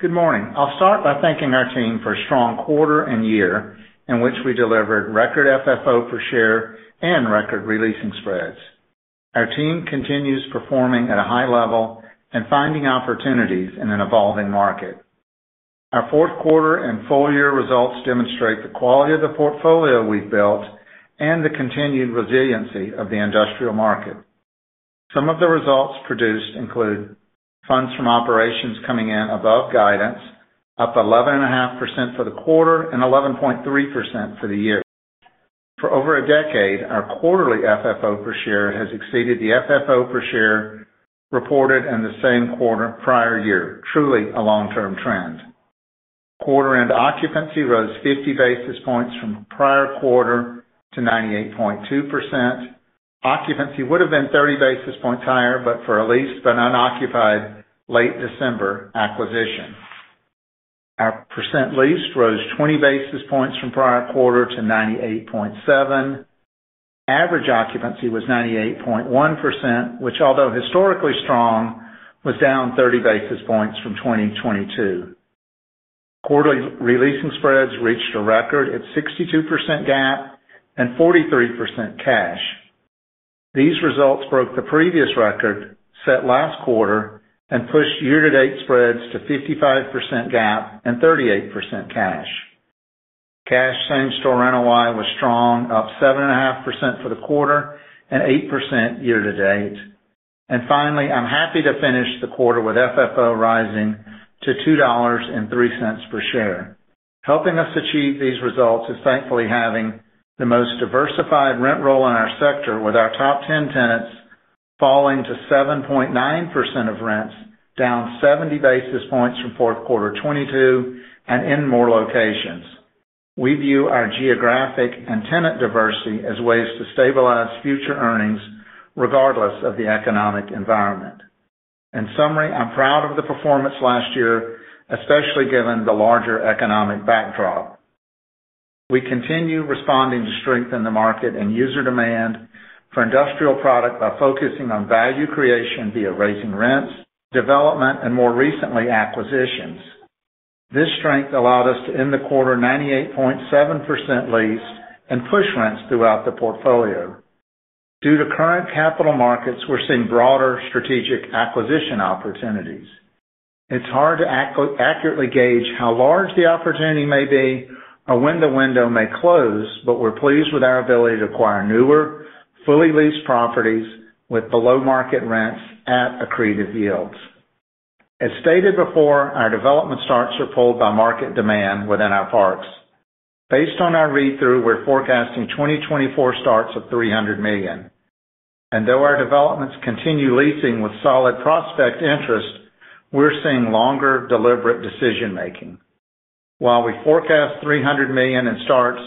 Good morning. I'll start by thanking our team for a strong quarter and year, in which we delivered record FFO per share and record releasing spreads. Our team continues performing at a high level and finding opportunities in an evolving market. Our Q4 and full year results demonstrate the quality of the portfolio we've built and the continued resiliency of the industrial market. Some of the results produced include funds from operations coming in above guidance, up 11.5% for the quarter and 11.3% for the year. For over a decade, our quarterly FFO per share has exceeded the FFO per share reported in the same quarter prior year. Truly a long-term trend. Quarter-end occupancy rose 50 basis points from the prior quarter to 98.2%. Occupancy would have been 30 basis points higher, but for a lease-but-unoccupied late December acquisition. Our percent leased rose 20 basis points from prior quarter to 98.7%. Average occupancy was 98.1%, which although historically strong, was down 30 basis points from 2022. Quarterly releasing spreads reached a record at 62% GAAP and 43% cash. These results broke the previous record set last quarter and pushed year-to-date spreads to 55% GAAP and 38% cash. Cash same store rental NOI was strong, up 7.5% for the quarter and 8% year to date. And finally, I'm happy to finish the quarter with FFO rising to $2.03 per share. Helping us achieve these results is thankfully having the most diversified rent roll in our sector, with our top ten tenants falling to 7.9% of rents, down 70 basis points from Q4 2022 and in more locations. We view our geographic and tenant diversity as ways to stabilize future earnings, regardless of the economic environment. In summary, I'm proud of the performance last year, especially given the larger economic backdrop. We continue responding to strength in the market and user demand for industrial product by focusing on value creation via raising rents, development, and more recently, acquisitions. This strength allowed us to end the quarter 98.7% leased and push rents throughout the portfolio. Due to current capital markets, we're seeing broader strategic acquisition opportunities. It's hard to accurately gauge how large the opportunity may be or when the window may close, but we're pleased with our ability to acquire newer, fully leased properties with below-market rents at accretive yields. As stated before, our development starts are pulled by market demand within our parks. Based on our read-through, we're forecasting 2024 starts of $300 million. And though our developments continue leasing with solid prospect interest, we're seeing longer, deliberate decision making. While we forecast $300 million in starts,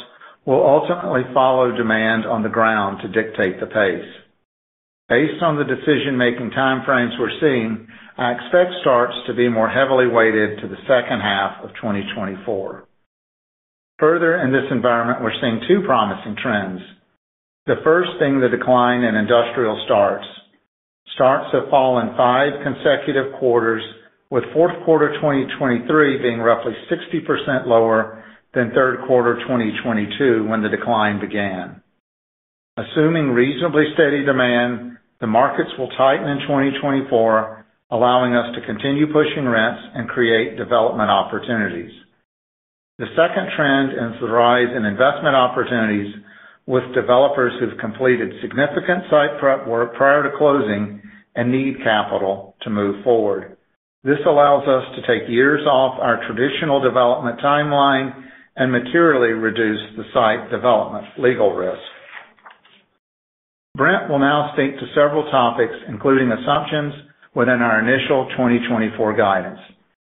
we'll ultimately follow demand on the ground to dictate the pace. Based on the decision-making time frames we're seeing, I expect starts to be more heavily weighted to the H2 of 2024. Further, in this environment, we're seeing two promising trends. The first thing, the decline in industrial starts. Starts have fallen five consecutive quarters, with Q4 2023 being roughly 60% lower than Q3 2022, when the decline began. Assuming reasonably steady demand, the markets will tighten in 2024, allowing us to continue pushing rents and create development opportunities. The second trend is the rise in investment opportunities with developers who've completed significant site prep work prior to closing and need capital to move forward. This allows us to take years off our traditional development timeline and materially reduce the site development legal risk. Brent will now speak to several topics, including assumptions within our initial 2024 guidance.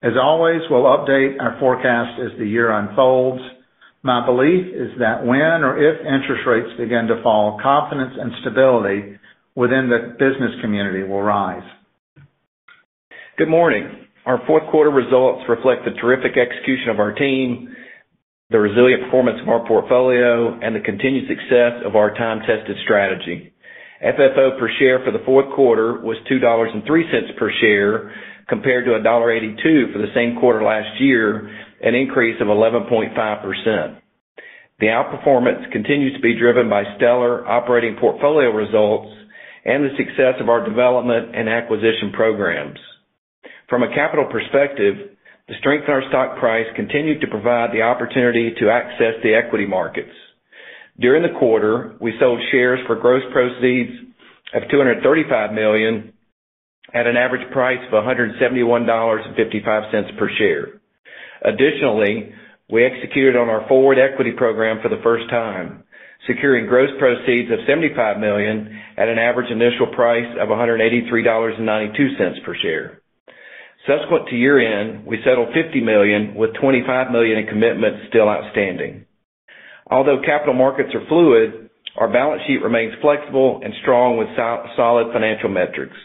As always, we'll update our forecast as the year unfolds. My belief is that when or if interest rates begin to fall, confidence and stability within the business community will rise. Good morning. Our Q4 results reflect the terrific execution of our team, the resilient performance of our portfolio, and the continued success of our time-tested strategy. FFO per share for the Q4 was $2.03 per share, compared to $1.82 for the same quarter last year, an increase of 11.5%. The outperformance continues to be driven by stellar operating portfolio results and the success of our development and acquisition programs. From a capital perspective, the strength in our stock price continued to provide the opportunity to access the equity markets. During the quarter, we sold shares for gross proceeds of $235 million at an average price of $171.55 per share. Additionally, we executed on our Forward Equity Program for the first time, securing gross proceeds of $75 million at an average initial price of $183.92 per share. Subsequent to year-end, we settled $50 million, with $25 million in commitments still outstanding. Although capital markets are fluid, our balance sheet remains flexible and strong with solid financial metrics.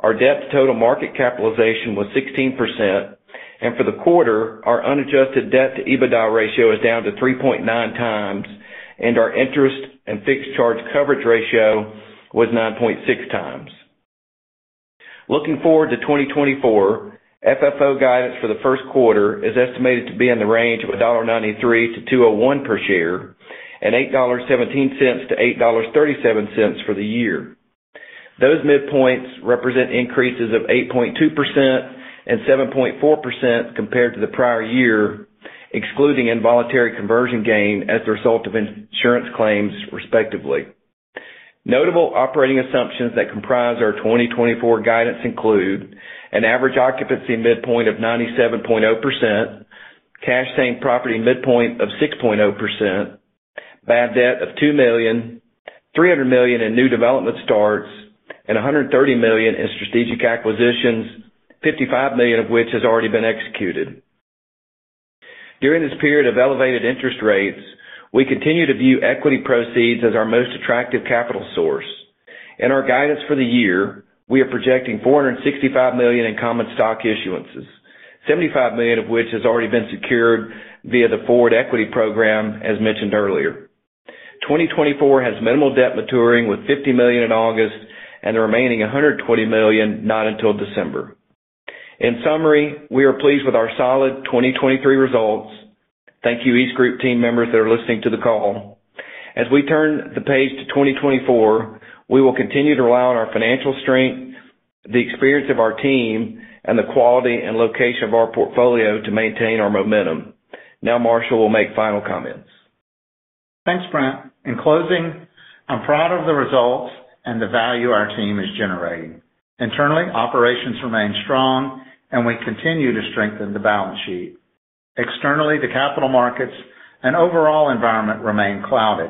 Our debt to total market capitalization was 16%, and for the quarter, our unadjusted debt to EBITDA ratio is down to 3.9x, and our interest and fixed charge coverage ratio was 9.6x. Looking forward to 2024, FFO guidance for the Q1 is estimated to be in the range of $1.93-$2.01 per share, and $8.17-$8.37 for the year. Those midpoints represent increases of 8.2% and 7.4% compared to the prior year, excluding involuntary conversion gain as a result of insurance claims, respectively. Notable operating assumptions that comprise our 2024 guidance include: an average occupancy midpoint of 97.0%, cash paying property midpoint of 6.0%, bad debt of $2 million, $300 million in new development starts, and $130 million in strategic acquisitions, $55 million of which has already been executed. During this period of elevated interest rates, we continue to view equity proceeds as our most attractive capital source. In our guidance for the year, we are projecting $465 million in common stock issuances, $75 million of which has already been secured via the Forward Equity Program, as mentioned earlier. 2024 has minimal debt maturing, with $50 million in August and the remaining $120 million not until December. In summary, we are pleased with our solid 2023 results. Thank you, EastGroup team members that are listening to the call. As we turn the page to 2024, we will continue to rely on our financial strength, the experience of our team, and the quality and location of our portfolio to maintain our momentum. Now, Marshall will make final comments. Thanks, Brent. In closing, I'm proud of the results and the value our team is generating. Internally, operations remain strong, and we continue to strengthen the balance sheet. Externally, the capital markets and overall environment remain clouded.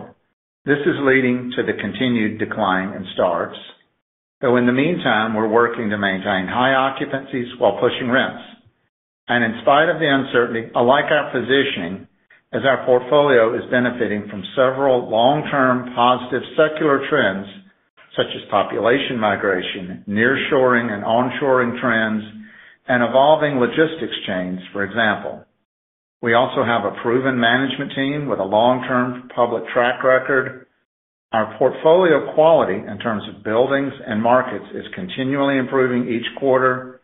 This is leading to the continued decline in starts. So in the meantime, we're working to maintain high occupancies while pushing rents. And in spite of the uncertainty, I like our positioning, as our portfolio is benefiting from several long-term positive secular trends, such as population migration, nearshoring and onshoring trends, and evolving logistics chains, for example. We also have a proven management team with a long-term public track record. Our portfolio quality, in terms of buildings and markets, is continually improving each quarter.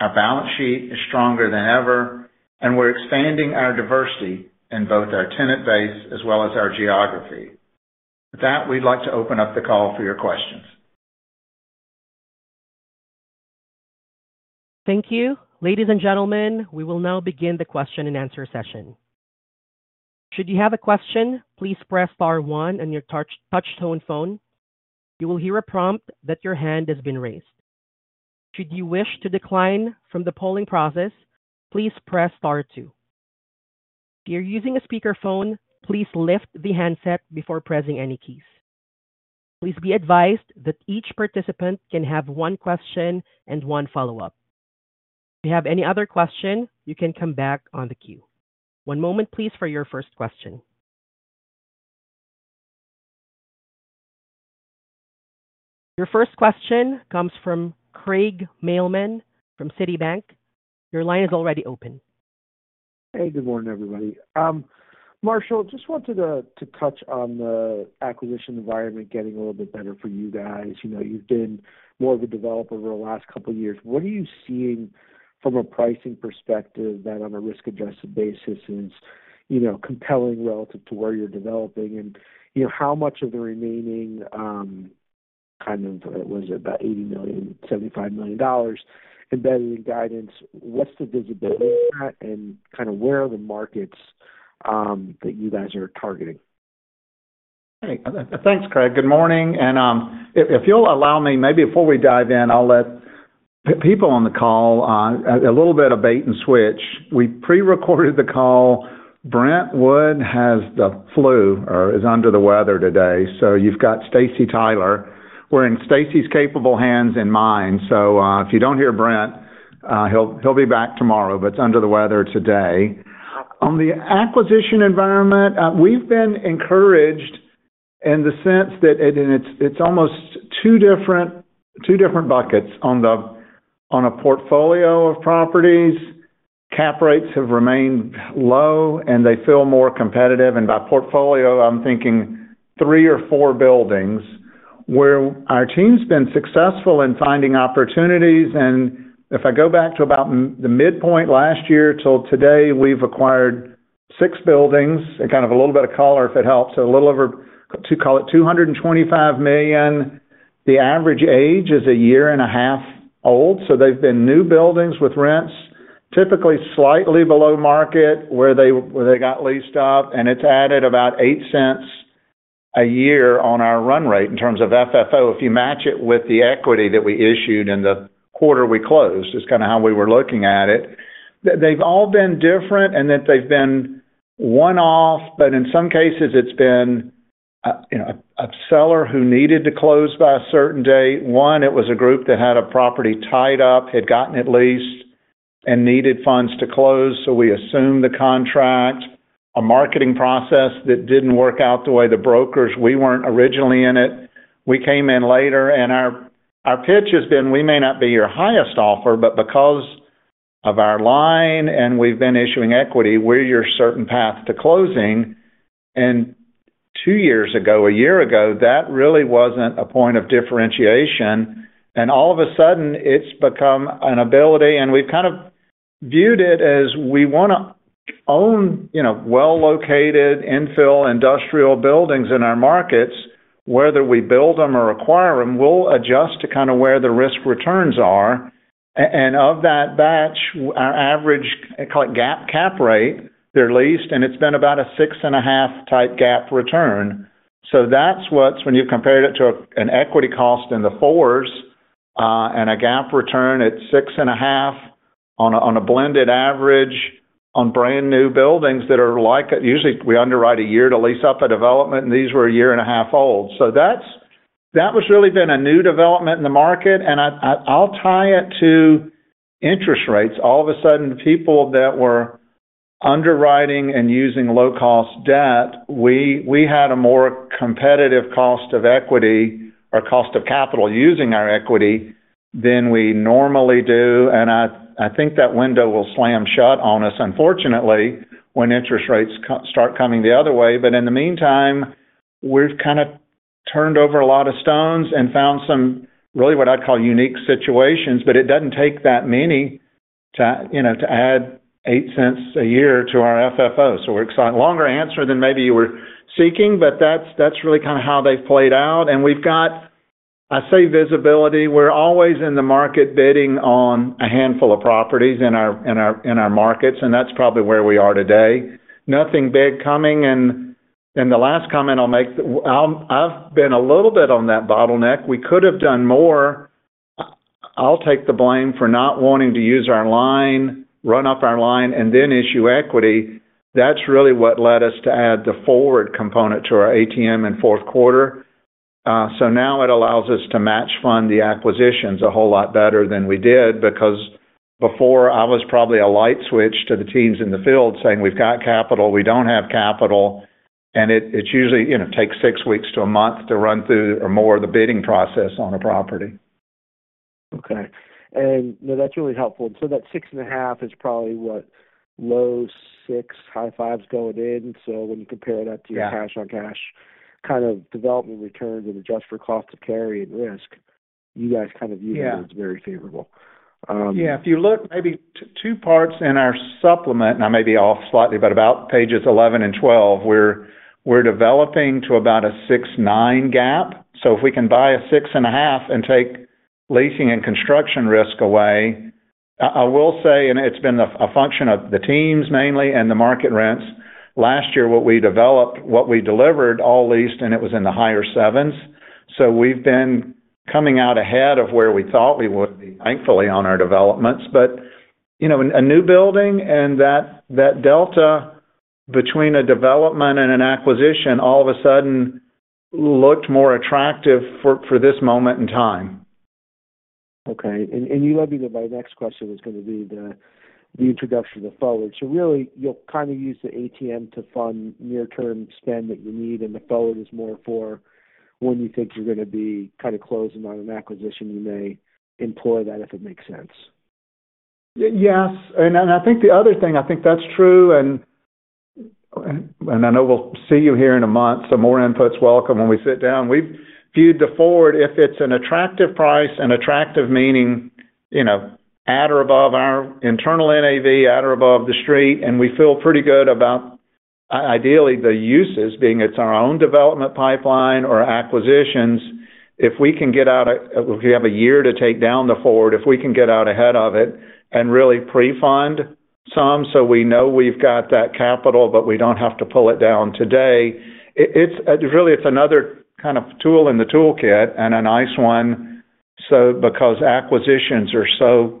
Our balance sheet is stronger than ever, and we're expanding our diversity in both our tenant base as well as our geography. With that, we'd like to open up the call for your questions. Thank you. Ladies and gentlemen, we will now begin the question-and-answer session. Should you have a question, please press star one on your touch-tone phone. You will hear a prompt that your hand has been raised. Should you wish to decline from the polling process, please press star two. If you're using a speakerphone, please lift the handset before pressing any keys. Please be advised that each participant can have one question and one follow-up. If you have any other question, you can come back on the queue. One moment, please, for your first question. Your first question comes from Craig Mailman from Citibank. Your line is already open. Hey, good morning, everybody. Marshall, just wanted to touch on the acquisition environment getting a little bit better for you guys. You know, you've been more of a developer over the last couple of years. What are you seeing from a pricing perspective that on a risk-adjusted basis is, you know, compelling relative to where you're developing? And, you know, how much of the remaining, kind of, what is it? About $80 million, $75 million dollars embedded in guidance. What's the visibility of that, and kind of where are the markets that you guys are targeting? Thanks, Craig. Good morning. If you'll allow me, maybe before we dive in, I'll let people on the call a little bit of bait and switch. We prerecorded the call. Brent Wood has the flu or is under the weather today, so you've got Staci Tyler. We're in Staci's capable hands and mine, so if you don't hear Brent, he'll be back tomorrow, but he's under the weather today. On the acquisition environment, we've been encouraged in the sense that and it's almost two different buckets. On a portfolio of properties, cap rates have remained low, and they feel more competitive. And by portfolio, I'm thinking three or four buildings where our team's been successful in finding opportunities. And if I go back to about the midpoint last year till today, we've acquired six buildings and kind of a little bit of color, if it helps. A little over $225 million. The average age is a year and a half old, so they've been new buildings with rents, typically slightly below market, where they, where they got leased up, and it's added about $0.08 a year on our run rate in terms of FFO. If you match it with the equity that we issued in the quarter we closed, is kind of how we were looking at it. They've all been different in that they've been one-off, but in some cases it's been a, you know, a seller who needed to close by a certain date. One, it was a group that had a property tied up, had gotten it leased and needed funds to close, so we assumed the contract. A marketing process that didn't work out the way the brokers, we weren't originally in it, we came in later, and our, our pitch has been: We may not be your highest offer, but because of our line, and we've been issuing equity, we're your certain path to closing. And two years ago, a year ago, that really wasn't a point of differentiation, and all of a sudden, it's become an ability, and we've kind of viewed it as we wanna own, you know, well-located infill industrial buildings in our markets, whether we build them or acquire them, we'll adjust to kind of where the risk returns are. And of that batch, our average, I call it GAAP cap rate, they're leased, and it's been about a 6.5 type GAAP return. So that's what's when you compared it to an equity cost in the fours, and a GAAP return at 6.5 on a, on a blended average on brand-new buildings that are like usually, we underwrite a year to lease up a development, and these were 1.5 years old. So that's that was really been a new development in the market, and I, I'll tie it to interest rates. All of a sudden, the people that were underwriting and using low-cost debt, we, we had a more competitive cost of equity or cost of capital using our equity than we normally do. I think that window will slam shut on us, unfortunately, when interest rates start coming the other way. But in the meantime, we've kind of turned over a lot of stones and found some really what I'd call unique situations, but it doesn't take that many to, you know, to add $0.08 a year to our FFO. So we're excited. Longer answer than maybe you were seeking, but that's really kind of how they've played out. And we've got, I'd say, visibility. We're always in the market bidding on a handful of properties in our markets, and that's probably where we are today. Nothing big coming. And the last comment I'll make, I've been a little bit on that bottleneck. We could have done more. I'll take the blame for not wanting to use our line, run up our line, and then issue equity. That's really what led us to add the forward component to our ATM in Q4. So now it allows us to match fund the acquisitions a whole lot better than we did, because before I was probably a light switch to the teams in the field, saying, "We've got capital, we don't have capital." And it usually, you know, takes six weeks to a month to run through, or more, the bidding process on a property. Okay. And no, that's really helpful. So that 6.5 is probably what? Low six, high fives going in. So when you compare that to cash on cash, kind of development returns and adjust for cost to carry and risk, you guys kind of view it as very favorable. Yeah, if you look maybe two parts in our supplement, I may be off slightly, but about pages 11 and 12, we're developing to about a 6.9% GAAP. So if we can buy a 6.5 and take leasing and construction risk away. I will say, and it's been a function of the teams mainly, and the market rents. Last year, what we developed, what we delivered, all leased, and it was in the higher sevens. So we've been coming out ahead of where we thought we would be, thankfully, on our developments. But, you know, a new building and that delta between a development and an acquisition, all of a sudden looked more attractive for this moment in time. Okay. And you led me to my next question, which was gonna be the introduction of the forward. So really, you'll kind of use the ATM to fund near-term spend that you need, and the forward is more for when you think you're gonna be kind of closing on an acquisition. You may employ that, if it makes sense. Yes, and I think the other thing, I think that's true, and I know we'll see you here in a month, so more input's welcome when we sit down. We've viewed the forward, if it's an attractive price, and attractive meaning, you know, at or above our internal NAV, at or above the street, and we feel pretty good about ideally, the uses, being it's our own development pipeline or acquisitions. If we have a year to take down the forward, if we can get out ahead of it and really pre-fund some, so we know we've got that capital, but we don't have to pull it down today, it's really, it's another kind of tool in the toolkit and a nice one. So because acquisitions are so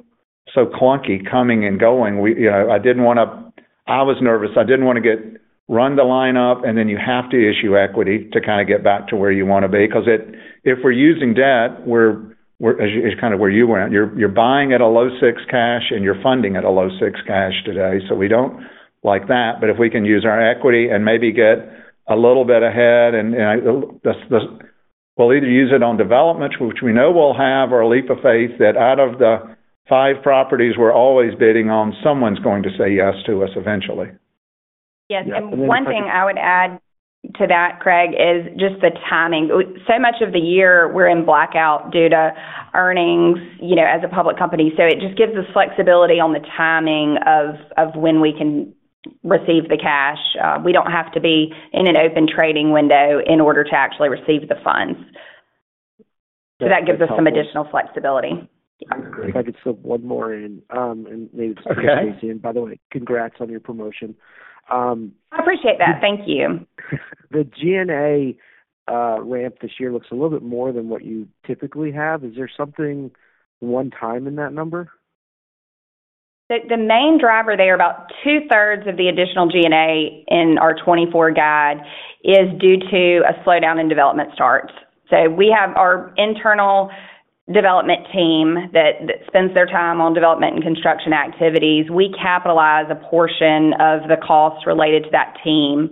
clunky coming and going, you know, I didn't want to—I was nervous. I didn't want to run the line up, and then you have to issue equity to kind of get back to where you want to be. Because if we're using debt, we're, it's kind of where you went. You're buying at a low six cap, and you're funding at a low six cap today, so we don't like that. But if we can use our equity and maybe get a little bit ahead, we'll either use it on developments, which we know we'll have, or a leap of faith, that out of the five properties we're always bidding on, someone's going to say yes to us eventually. Yes, and one thing I would add to that, Craig, is just the timing. So much of the year, we're in blackout due to earnings, you know, as a public company, so it just gives us flexibility on the timing of, of when we can receive the cash. We don't have to be in an open trading window in order to actually receive the funds. So that gives us some additional flexibility. If I could slip one more in, and maybe. Okay. By the way, congrats on your promotion. I appreciate that. Thank you. The G&A ramp this year looks a little bit more than what you typically have. Is there something one-time in that number? The main driver there, about two-thirds of the additional G&A in our 2024 guide, is due to a slowdown in development starts. So we have our internal development team that spends their time on development and construction activities. We capitalize a portion of the costs related to that team,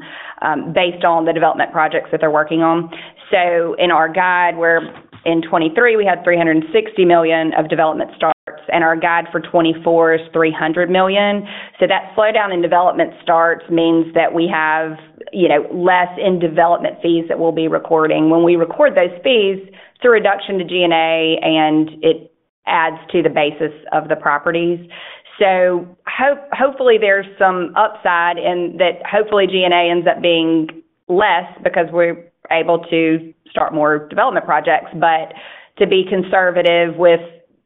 based on the development projects that they're working on. So in our guide, in 2023 we had $360 million of development starts, and our guide for 2024 is $300 million. So that slowdown in development starts means that we have, you know, less in development fees that we'll be recording. When we record those fees, it's a reduction to G&A, and it adds to the basis of the properties. So hopefully, there's some upside, and that hopefully G&A ends up being less because we're able to start more development projects. But to be conservative with,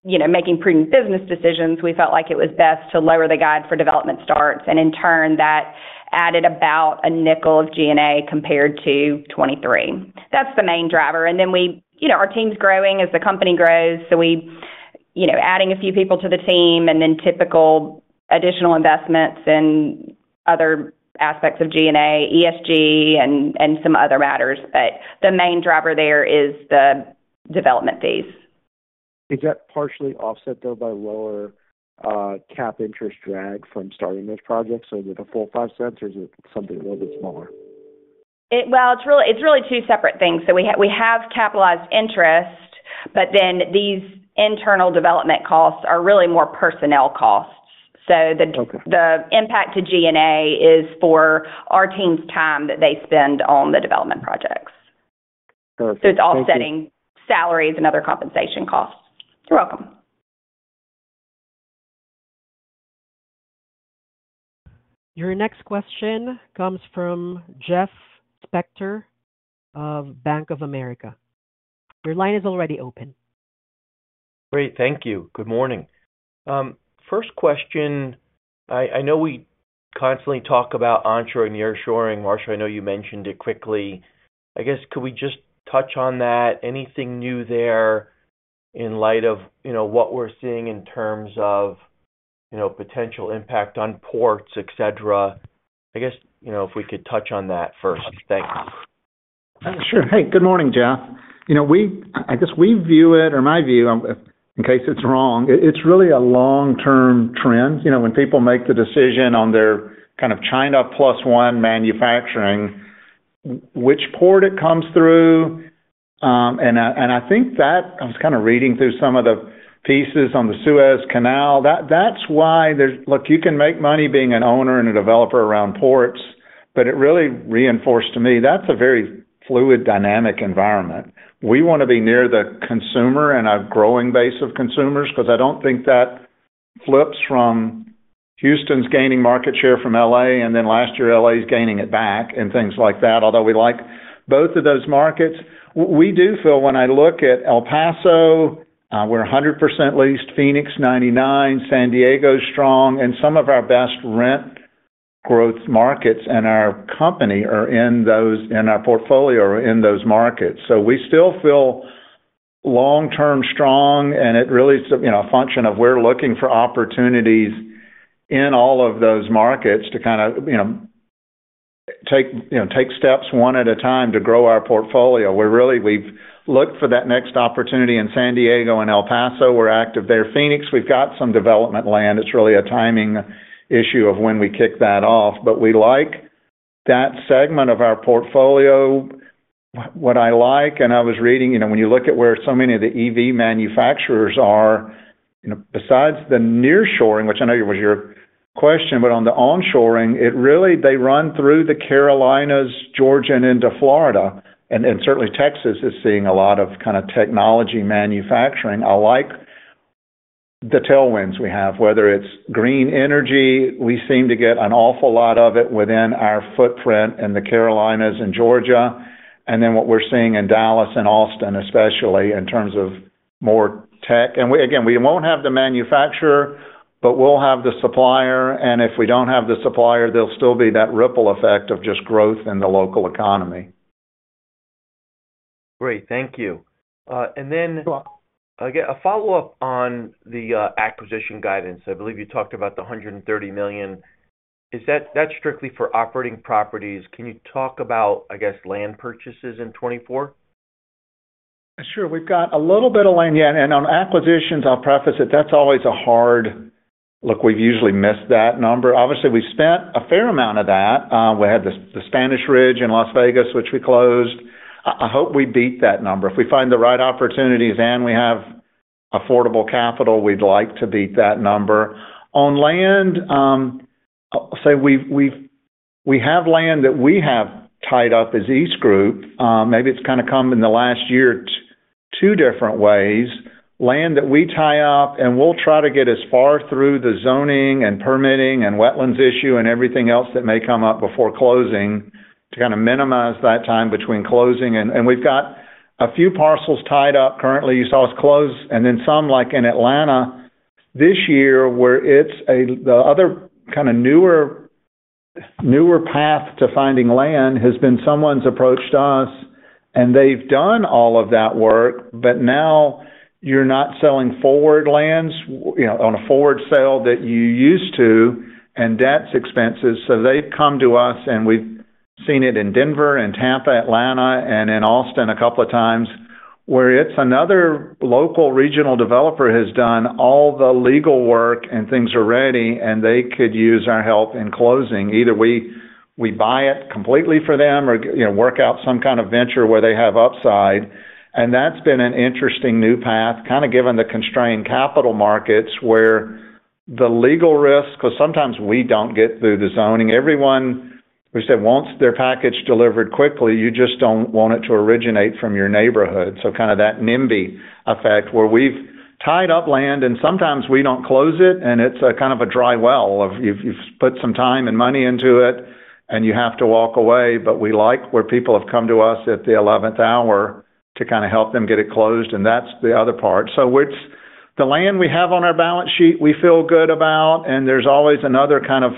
you know, making prudent business decisions, we felt like it was best to lower the guide for development starts, and in turn, that added about $0.05 of G&A compared to 2023. That's the main driver. And then we—you know, our team's growing as the company grows, so we, you know, adding a few people to the team and then typical additional investments in other aspects of G&A, ESG, and, and some other matters. But the main driver there is the development fees. Is that partially offset, though, by lower cap interest drag from starting those projects? So is it a full $0.05, or is it something a little bit smaller? Well, it's really, it's really two separate things. So we have capitalized interest, but then these internal development costs are really more personnel costs. Okay. The impact to G&A is for our team's time that they spend on the development projects. Got it. Thank you. So it's offsetting salaries and other compensation costs. You're welcome. Your next question comes from Jeff Spector of Bank of America. Your line is already open. Great. Thank you. Good morning. First question, I know we constantly talk about onshoring, nearshoring. Marshall, I know you mentioned it quickly. I guess, could we just touch on that? Anything new there in light of, you know, what we're seeing in terms of, you know, potential impact on ports, et cetera? I guess, you know, if we could touch on that first. Thank you. Sure. Hey, good morning, Jeff. You know, I guess we view it, or my view, in case it's wrong, it's really a long-term trend. You know, when people make the decision on their kind of China plus one manufacturing, which port it comes through... And I think that I was kind of reading through some of the pieces on the Suez Canal, that's why there's. Look, you can make money being an owner and a developer around ports, but it really reinforced to me, that's a very fluid, dynamic environment. We want to be near the consumer and a growing base of consumers, 'cause I don't think that flips from Houston's gaining market share from L.A., and then last year, L.A. is gaining it back, and things like that. Although we like both of those markets, we do feel when I look at El Paso, we're 100% leased, Phoenix, 99%, San Diego is strong, and some of our best rent growth markets in our company are in those, in our portfolio, are in those markets. So we still feel long-term strong, and it really is, you know, a function of we're looking for opportunities in all of those markets to kind of, you know, take, you know, take steps one at a time to grow our portfolio. We're really. We've looked for that next opportunity in San Diego and El Paso. We're active there. Phoenix, we've got some development land. It's really a timing issue of when we kick that off, but we like that segment of our portfolio. What I like, and I was reading, you know, when you look at where so many of the EV manufacturers are, you know, besides the nearshoring, which I know was your question, but on the onshoring, it really, they run through the Carolinas, Georgia, and into Florida, and then certainly Texas is seeing a lot of kind of technology manufacturing. I like the tailwinds we have, whether it's green energy, we seem to get an awful lot of it within our footprint in the Carolinas and Georgia, and then what we're seeing in Dallas and Austin, especially in terms of more tech. And we, again, we won't have the manufacturer, but we'll have the supplier, and if we don't have the supplier, there'll still be that ripple effect of just growth in the local economy. Great. Thank you. And then, again, a follow-up on the acquisition guidance. I believe you talked about the $130 million. Is that? That's strictly for operating properties. Can you talk about, I guess, land purchases in 2024? Sure. We've got a little bit of land, yeah, and on acquisitions, I'll preface it, that's always a hard... Look, we've usually missed that number. Obviously, we spent a fair amount of that. We had the Spanish Ridge in Las Vegas, which we closed. I hope we beat that number. If we find the right opportunities and we have affordable capital, we'd like to beat that number. On land, we have land that we have tied up as EastGroup. Maybe it's kind of come in the last year, two different ways. Land that we tie up, and we'll try to get as far through the zoning and permitting and wetlands issue and everything else that may come up before closing, to kind of minimize that time between closing and and we've got a few parcels tied up currently. You saw us close, and then some, like in Atlanta this year, where it's another kind of newer path to finding land, has been someone's approached us, and they've done all of that work, but now you're not selling forward lands, you know, on a forward sale that you used to, and that's expensive. So they've come to us, and we've seen it in Denver and Tampa, Atlanta, and in Austin a couple of times, where it's another local regional developer has done all the legal work and things are ready, and they could use our help in closing. Either we buy it completely for them or, you know, work out some kind of venture where they have upside. And that's been an interesting new path, kind of given the constrained capital markets, where the legal risk, because sometimes we don't get through the zoning. Everyone, we say, wants their package delivered quickly. You just don't want it to originate from your neighborhood. So kind of that NIMBY effect, where we've tied up land and sometimes we don't close it, and it's a kind of a dry well of you've put some time and money into it, and you have to walk away. But we like where people have come to us at the eleventh hour to kind of help them get it closed, and that's the other part. So it's the land we have on our balance sheet, we feel good about, and there's always another kind of,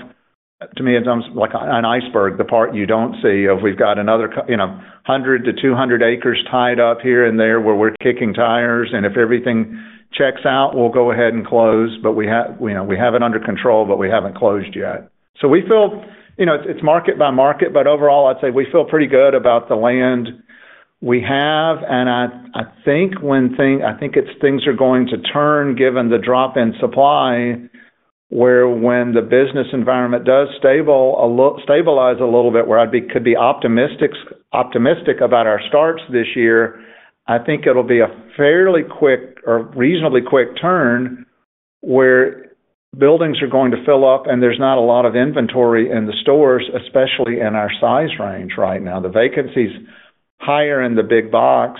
to me, it's like an iceberg, the part you don't see. If we've got another, you know, 100-200 acres tied up here and there, where we're kicking tires, and if everything checks out, we'll go ahead and close. But we have, you know, we have it under control, but we haven't closed yet. So we feel, you know, it's market by market, but overall, I'd say we feel pretty good about the land we have. And I think things are going to turn, given the drop in supply, when the business environment stabilizes a little bit. I could be optimistic about our starts this year. I think it'll be a fairly quick or reasonably quick turn, where buildings are going to fill up, and there's not a lot of inventory in the stores, especially in our size range right now. The vacancy's higher in the big box,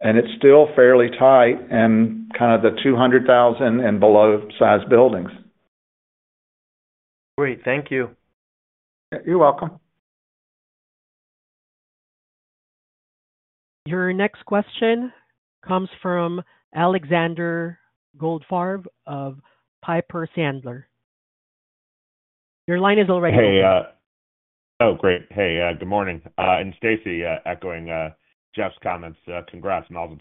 and it's still fairly tight in the 200,000- and below-size buildings. Great. Thank you. You're welcome. Your next question comes from Alexander Goldfarb of Piper Sandler. Your line is already open. Hey. Oh, great! Hey, good morning, and Staci, echoing Jeff's comments, congrats on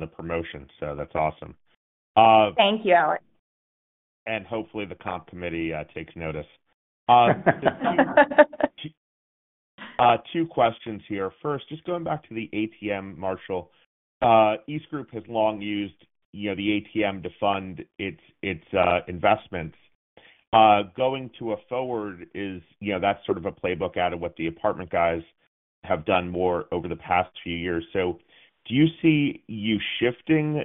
the promotion. So that's awesome. Thank you, Alex. Hopefully, the comp committee takes notice. Two questions here. First, just going back to the ATM, Marshall. EastGroup has long used, you know, the ATM to fund its, its investments. Going to a forward is, you know, that's sort of a playbook out of what the apartment guys have done more over the past few years. So do you see you shifting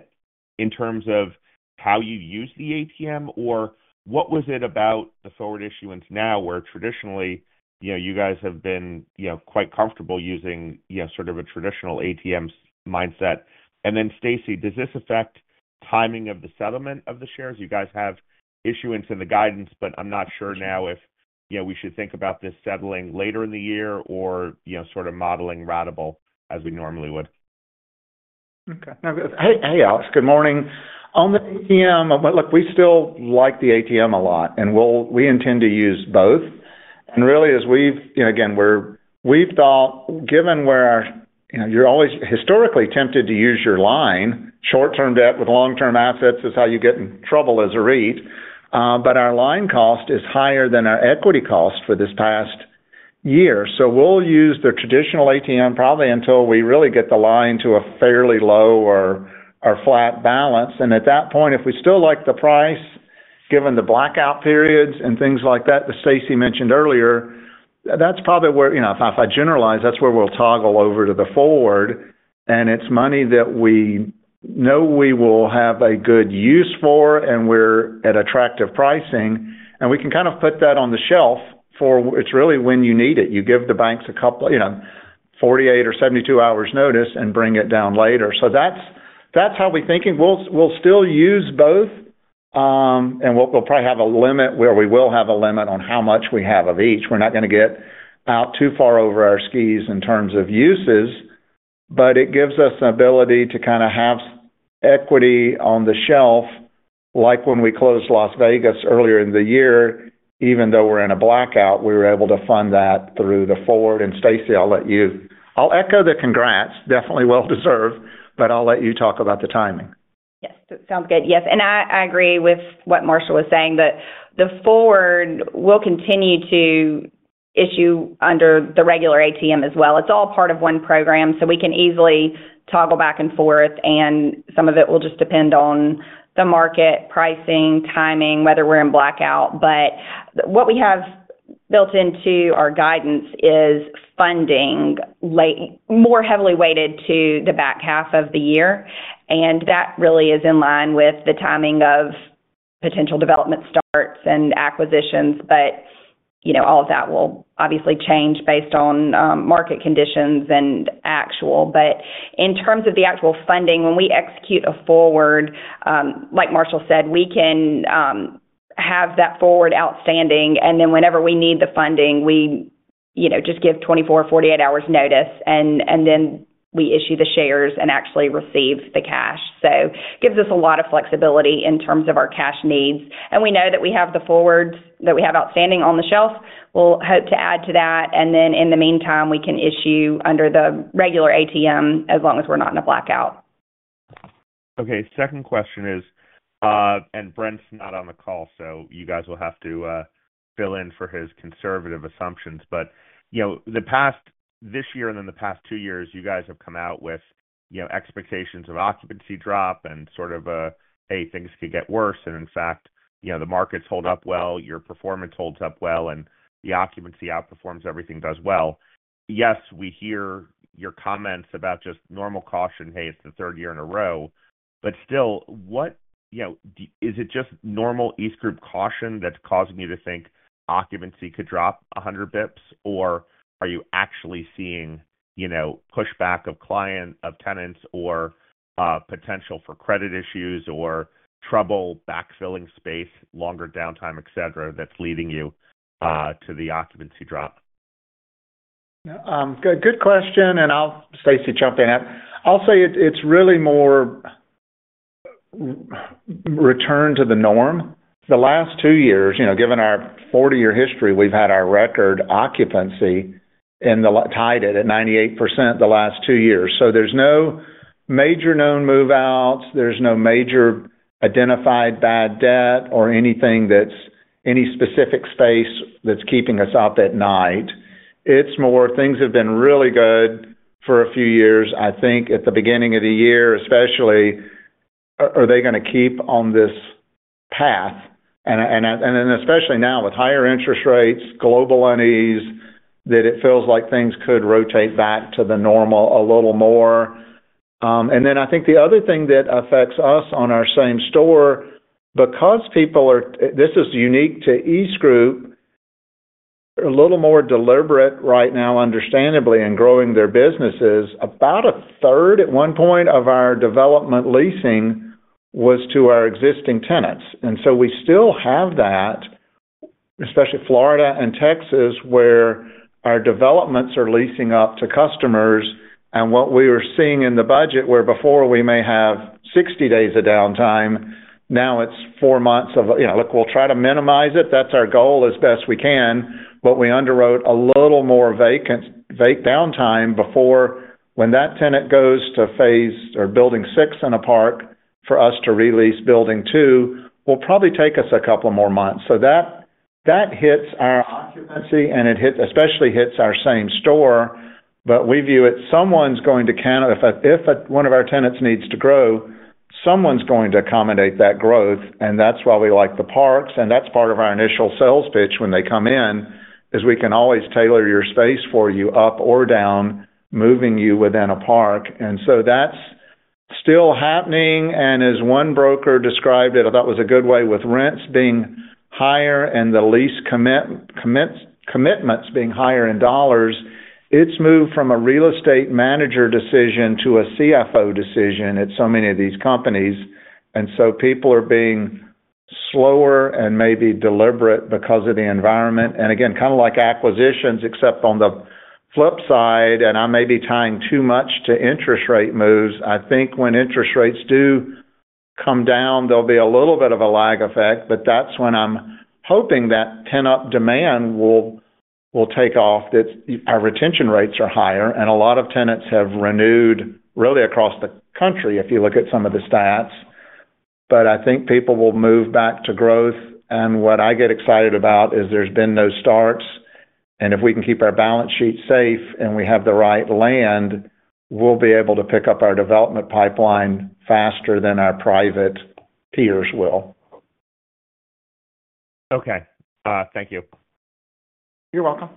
in terms of how you use the ATM? Or what was it about the forward issuance now, where traditionally, you know, you guys have been, you know, quite comfortable using, you know, sort of a traditional ATM mindset? And then, Staci, does this affect timing of the settlement of the shares? You guys have issuance in the guidance, but I'm not sure now if, you know, we should think about this settling later in the year or, you know, sort of modeling ratable as we normally would. Okay. Hey, Alex, good morning. On the ATM, look, we still like the ATM a lot, and we'll, we intend to use both. And really, as we've, you know, again, we're, we've thought, given where, you know, you're always historically tempted to use your line, short-term debt with long-term assets is how you get in trouble as a REIT. But our line cost is higher than our equity cost for this past year, so we'll use the traditional ATM probably until we really get the line to a fairly low or flat balance. And at that point, if we still like the price, given the blackout periods and things like that, that Staci mentioned earlier, that's probably where, you know, if I generalize, that's where we'll toggle over to the forward. It's money that we know we will have a good use for, and we're at attractive pricing, and we can kind of put that on the shelf for... It's really when you need it. You give the banks a couple, you know, 48 or 72 hours notice and bring it down later. So that's how we're thinking. We'll still use both, and we'll probably have a limit, where we will have a limit on how much we have of each. We're not gonna get out too far over our skis in terms of uses, but it gives us an ability to kind of have equity on the shelf, like when we closed Las Vegas earlier in the year, even though we're in a blackout, we were able to fund that through the forward. And Staci, I'll let you... I'll echo the congrats, definitely well-deserved, but I'll let you talk about the timing. Yes, sounds good. Yes, and I agree with what Marshall was saying, that the forward will continue to issue under the regular ATM as well. It's all part of one program, so we can easily toggle back and forth, and some of it will just depend on the market, pricing, timing, whether we're in blackout. But what we have built into our guidance is funding laid more heavily weighted to the back half of the year, and that really is in line with the timing of potential development starts and acquisitions. But, you know, all of that will obviously change based on market conditions and actual. But in terms of the actual funding, when we execute a forward, like Marshall said, we can have that forward outstanding, and then whenever we need the funding, we, you know, just give 24-48 hours notice, and then we issue the shares and actually receive the cash. So it gives us a lot of flexibility in terms of our cash needs. And we know that we have the forwards that we have outstanding on the shelf. We'll hope to add to that, and then in the meantime, we can issue under the regular ATM as long as we're not in a blackout. Okay, second question is, and Brent's not on the call, so you guys will have to fill in for his conservative assumptions. But, you know, the past, this year and then the past two years, you guys have come out with, you know, expectations of occupancy drop and sort of a, hey, things could get worse. And in fact, you know, the market's held up well, your performance holds up well, and the occupancy outperforms, everything does well. Yes, we hear your comments about just normal caution, hey, it's the third year in a row. But still, what, you know, is it just normal EastGroup caution that's causing you to think occupancy could drop 100 basis points? Or are you actually seeing, you know, pushback of client, of tenants or, potential for credit issues or trouble backfilling space, longer downtime, et cetera, that's leading you, to the occupancy drop? Good question, and I'll—Staci, jump in. I'll say it, it's really more return to the norm. The last two years, you know, given our 40-year history, we've had our record occupancy and tied it at 98% the last two years. So there's no major known move-outs, there's no major identified bad debt or anything that's, any specific space that's keeping us up at night. It's more things have been really good for a few years. I think at the beginning of the year, especially, are they gonna keep on this path? And especially now with higher interest rates, global unease, that it feels like things could rotate back to the normal a little more. And then I think the other thing that affects us on our same store, because people are... This is unique to EastGroup, a little more deliberate right now, understandably, in growing their businesses. About a third, at one point, of our development leasing was to our existing tenants, and so we still have that, especially Florida and Texas, where our developments are leasing up to customers. And what we were seeing in the budget, where before we may have 60 days of downtime, now it's four months of, you know, look, we'll try to minimize it. That's our goal as best we can, but we underwrote a little more vacant, downtime before. When that tenant goes to phase or building 6 in a park for us to re-lease building two, will probably take us a couple more months. So that hits our occupancy, and it especially hits our same store, but we view it, someone's going to counter... If one of our tenants needs to grow, someone's going to accommodate that growth, and that's why we like the parks, and that's part of our initial sales pitch when they come in, is we can always tailor your space for you up or down, moving you within a park. And so that's still happening, and as one broker described it, I thought it was a good way, with rents being higher and the lease commitments being higher in dollars, it's moved from a real estate manager decision to a CFO decision at so many of these companies. And so people are being slower and maybe deliberate because of the environment. And again, kind of like acquisitions, except on the flip side, and I may be tying too much to interest rate moves. I think when interest rates do come down, there'll be a little bit of a lag effect, but that's when I'm hoping that tenant demand will take off, that our retention rates are higher, and a lot of tenants have renewed, really across the country, if you look at some of the stats. But I think people will move back to growth, and what I get excited about is there's been no starts, and if we can keep our balance sheet safe and we have the right land, we'll be able to pick up our development pipeline faster than our private peers will. Okay, thank you. You're welcome.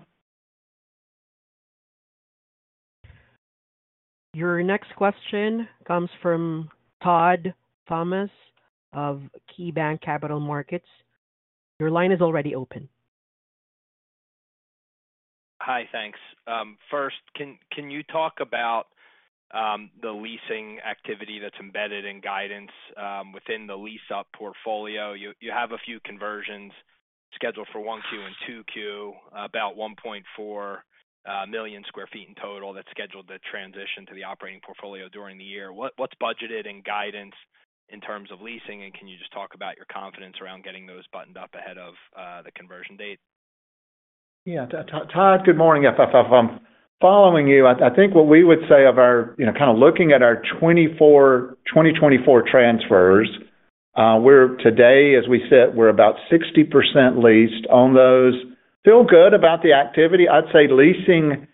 Your next question comes from Todd Thomas of KeyBanc Capital Markets. Your line is already open. Hi, thanks. First, can you talk about the leasing activity that's embedded in guidance within the lease-up portfolio? You have a few conversions scheduled for Q1 and Q2, about 1.4 million sq ft in total that's scheduled to transition to the operating portfolio during the year. What's budgeted in guidance in terms of leasing, and can you just talk about your confidence around getting those buttoned up ahead of the conversion date? Yeah, Todd, good morning. If I'm following you, I think what we would say of our, you know, kind of looking at our 2024 transfers, we're today, as we sit, we're about 60% leased on those. Feel good about the activity. I'd say leasing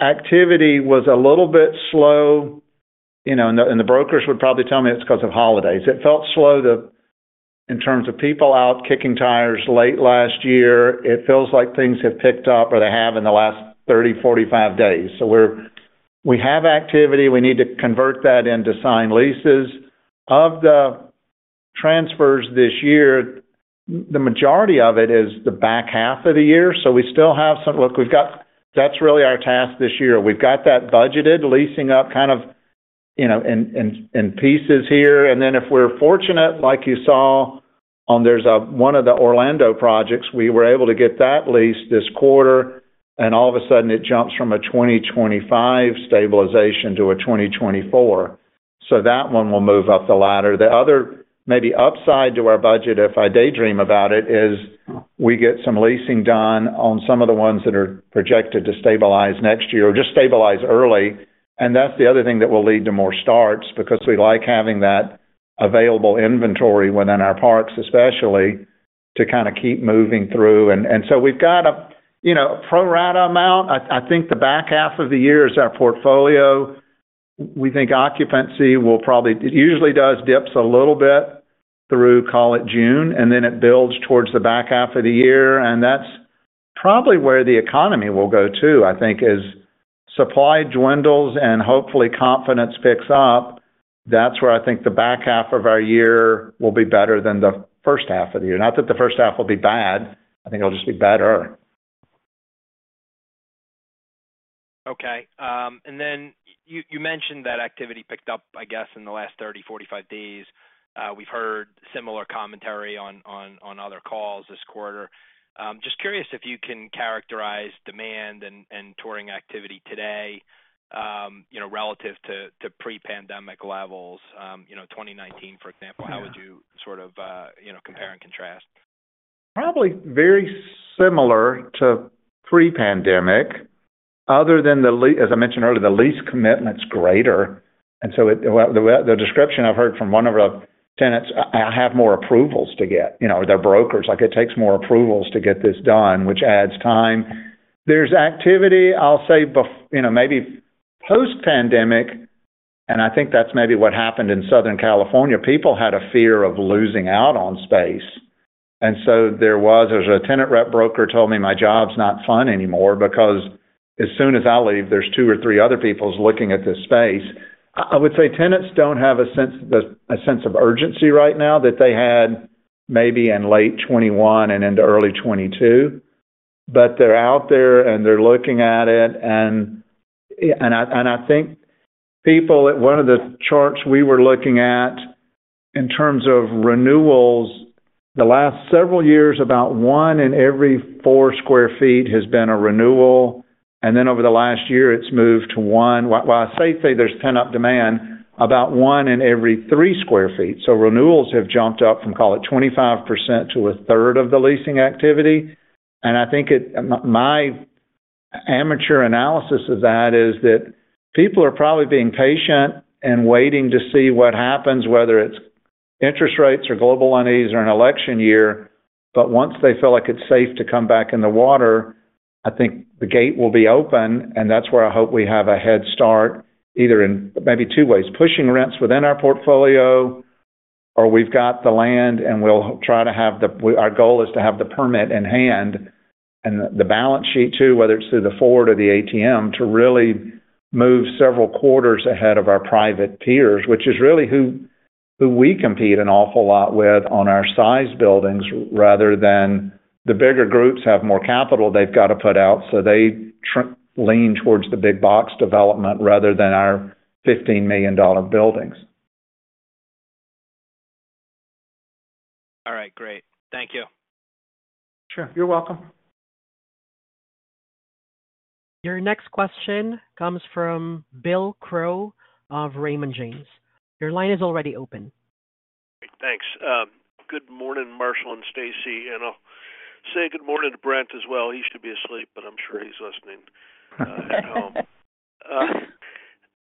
activity was a little bit slow, you know, and the brokers would probably tell me it's because of holidays. It felt slow to, in terms of people out kicking tires late last year. It feels like things have picked up or they have in the last 30-45 days. So we're. We have activity. We need to convert that into signed leases. Of the transfers this year, the majority of it is the back half of the year, so we still have some... Look, we've got. That's really our task this year. We've got that budgeted, leasing up kind of, you know, in pieces here. And then if we're fortunate, like you saw, there's a, one of the Orlando projects, we were able to get that lease this quarter, and all of a sudden it jumps from a 2025 stabilization to a 2024. So that one will move up the ladder. The other, maybe upside to our budget, if I daydream about it, is we get some leasing done on some of the ones that are projected to stabilize next year or just stabilize early. And that's the other thing that will lead to more starts, because we like having that available inventory within our parks, especially to kind of keep moving through. And so we've got a, you know, a pro rata amount. I think the back half of the year is our portfolio. We think occupancy will probably, it usually does, dips a little bit through, call it June, and then it builds towards the back half of the year, and that's probably where the economy will go, too, I think, is supply dwindles and hopefully confidence picks up. That's where I think the back half of our year will be better than the H1 of the year. Not that the H1 will be bad. I think it'll just be better. Okay, and then you mentioned that activity picked up, I guess, in the last 30-45 days. We've heard similar commentary on other calls this quarter. Just curious if you can characterize demand and touring activity today, you know, relative to pre-pandemic levels, you know, 2019, for example, how would you sort of, you know, compare and contrast? Probably very similar to pre-pandemic, other than the lease, as I mentioned earlier, the lease commitment's greater, and so it, well, the description I've heard from one of our tenants, I have more approvals to get, you know, their brokers. Like, it takes more approvals to get this done, which adds time. There's activity, I'll say, but you know, maybe post-pandemic, and I think that's maybe what happened in Southern California. People had a fear of losing out on space, and so there was, there was a tenant rep broker told me, "My job's not fun anymore because as soon as I leave, there's two or three other people looking at this space". I would say tenants don't have a sense of urgency right now that they had maybe in late 2021 and into early 2022, but they're out there, and they're looking at it. And I think people at one of the charts we were looking at in terms of renewals, the last several years, about one in every 4 sq ft has been a renewal, and then over the last year, it's moved to one, well, I'd safely say there's pent-up demand about 1 in every 3 sq ft. So renewals have jumped up from, call it, 25% to 1/3 of the leasing activity. And I think my amateur analysis of that is that people are probably being patient and waiting to see what happens, whether it's interest rates or global unease or an election year. But once they feel like it's safe to come back in the water, I think the gate will be open, and that's where I hope we have a head start, either in maybe two ways: pushing rents within our portfolio, or we've got the land, and we'll try to have the- Our goal is to have the permit in hand and the balance sheet, too, whether it's through the forward or the ATM, to really move several quarters ahead of our private peers, which is really who we compete an awful lot with on our size buildings, rather than the bigger groups have more capital they've got to put out, so they lean towards the big box development rather than our $15 million buildings. All right, great. Thank you. Sure. You're welcome. Your next question comes from Bill Crow of Raymond James. Your line is already open. Thanks. Good morning, Marshall and Stacy, and I'll say good morning to Brent as well. He should be asleep, but I'm sure he's listening at home.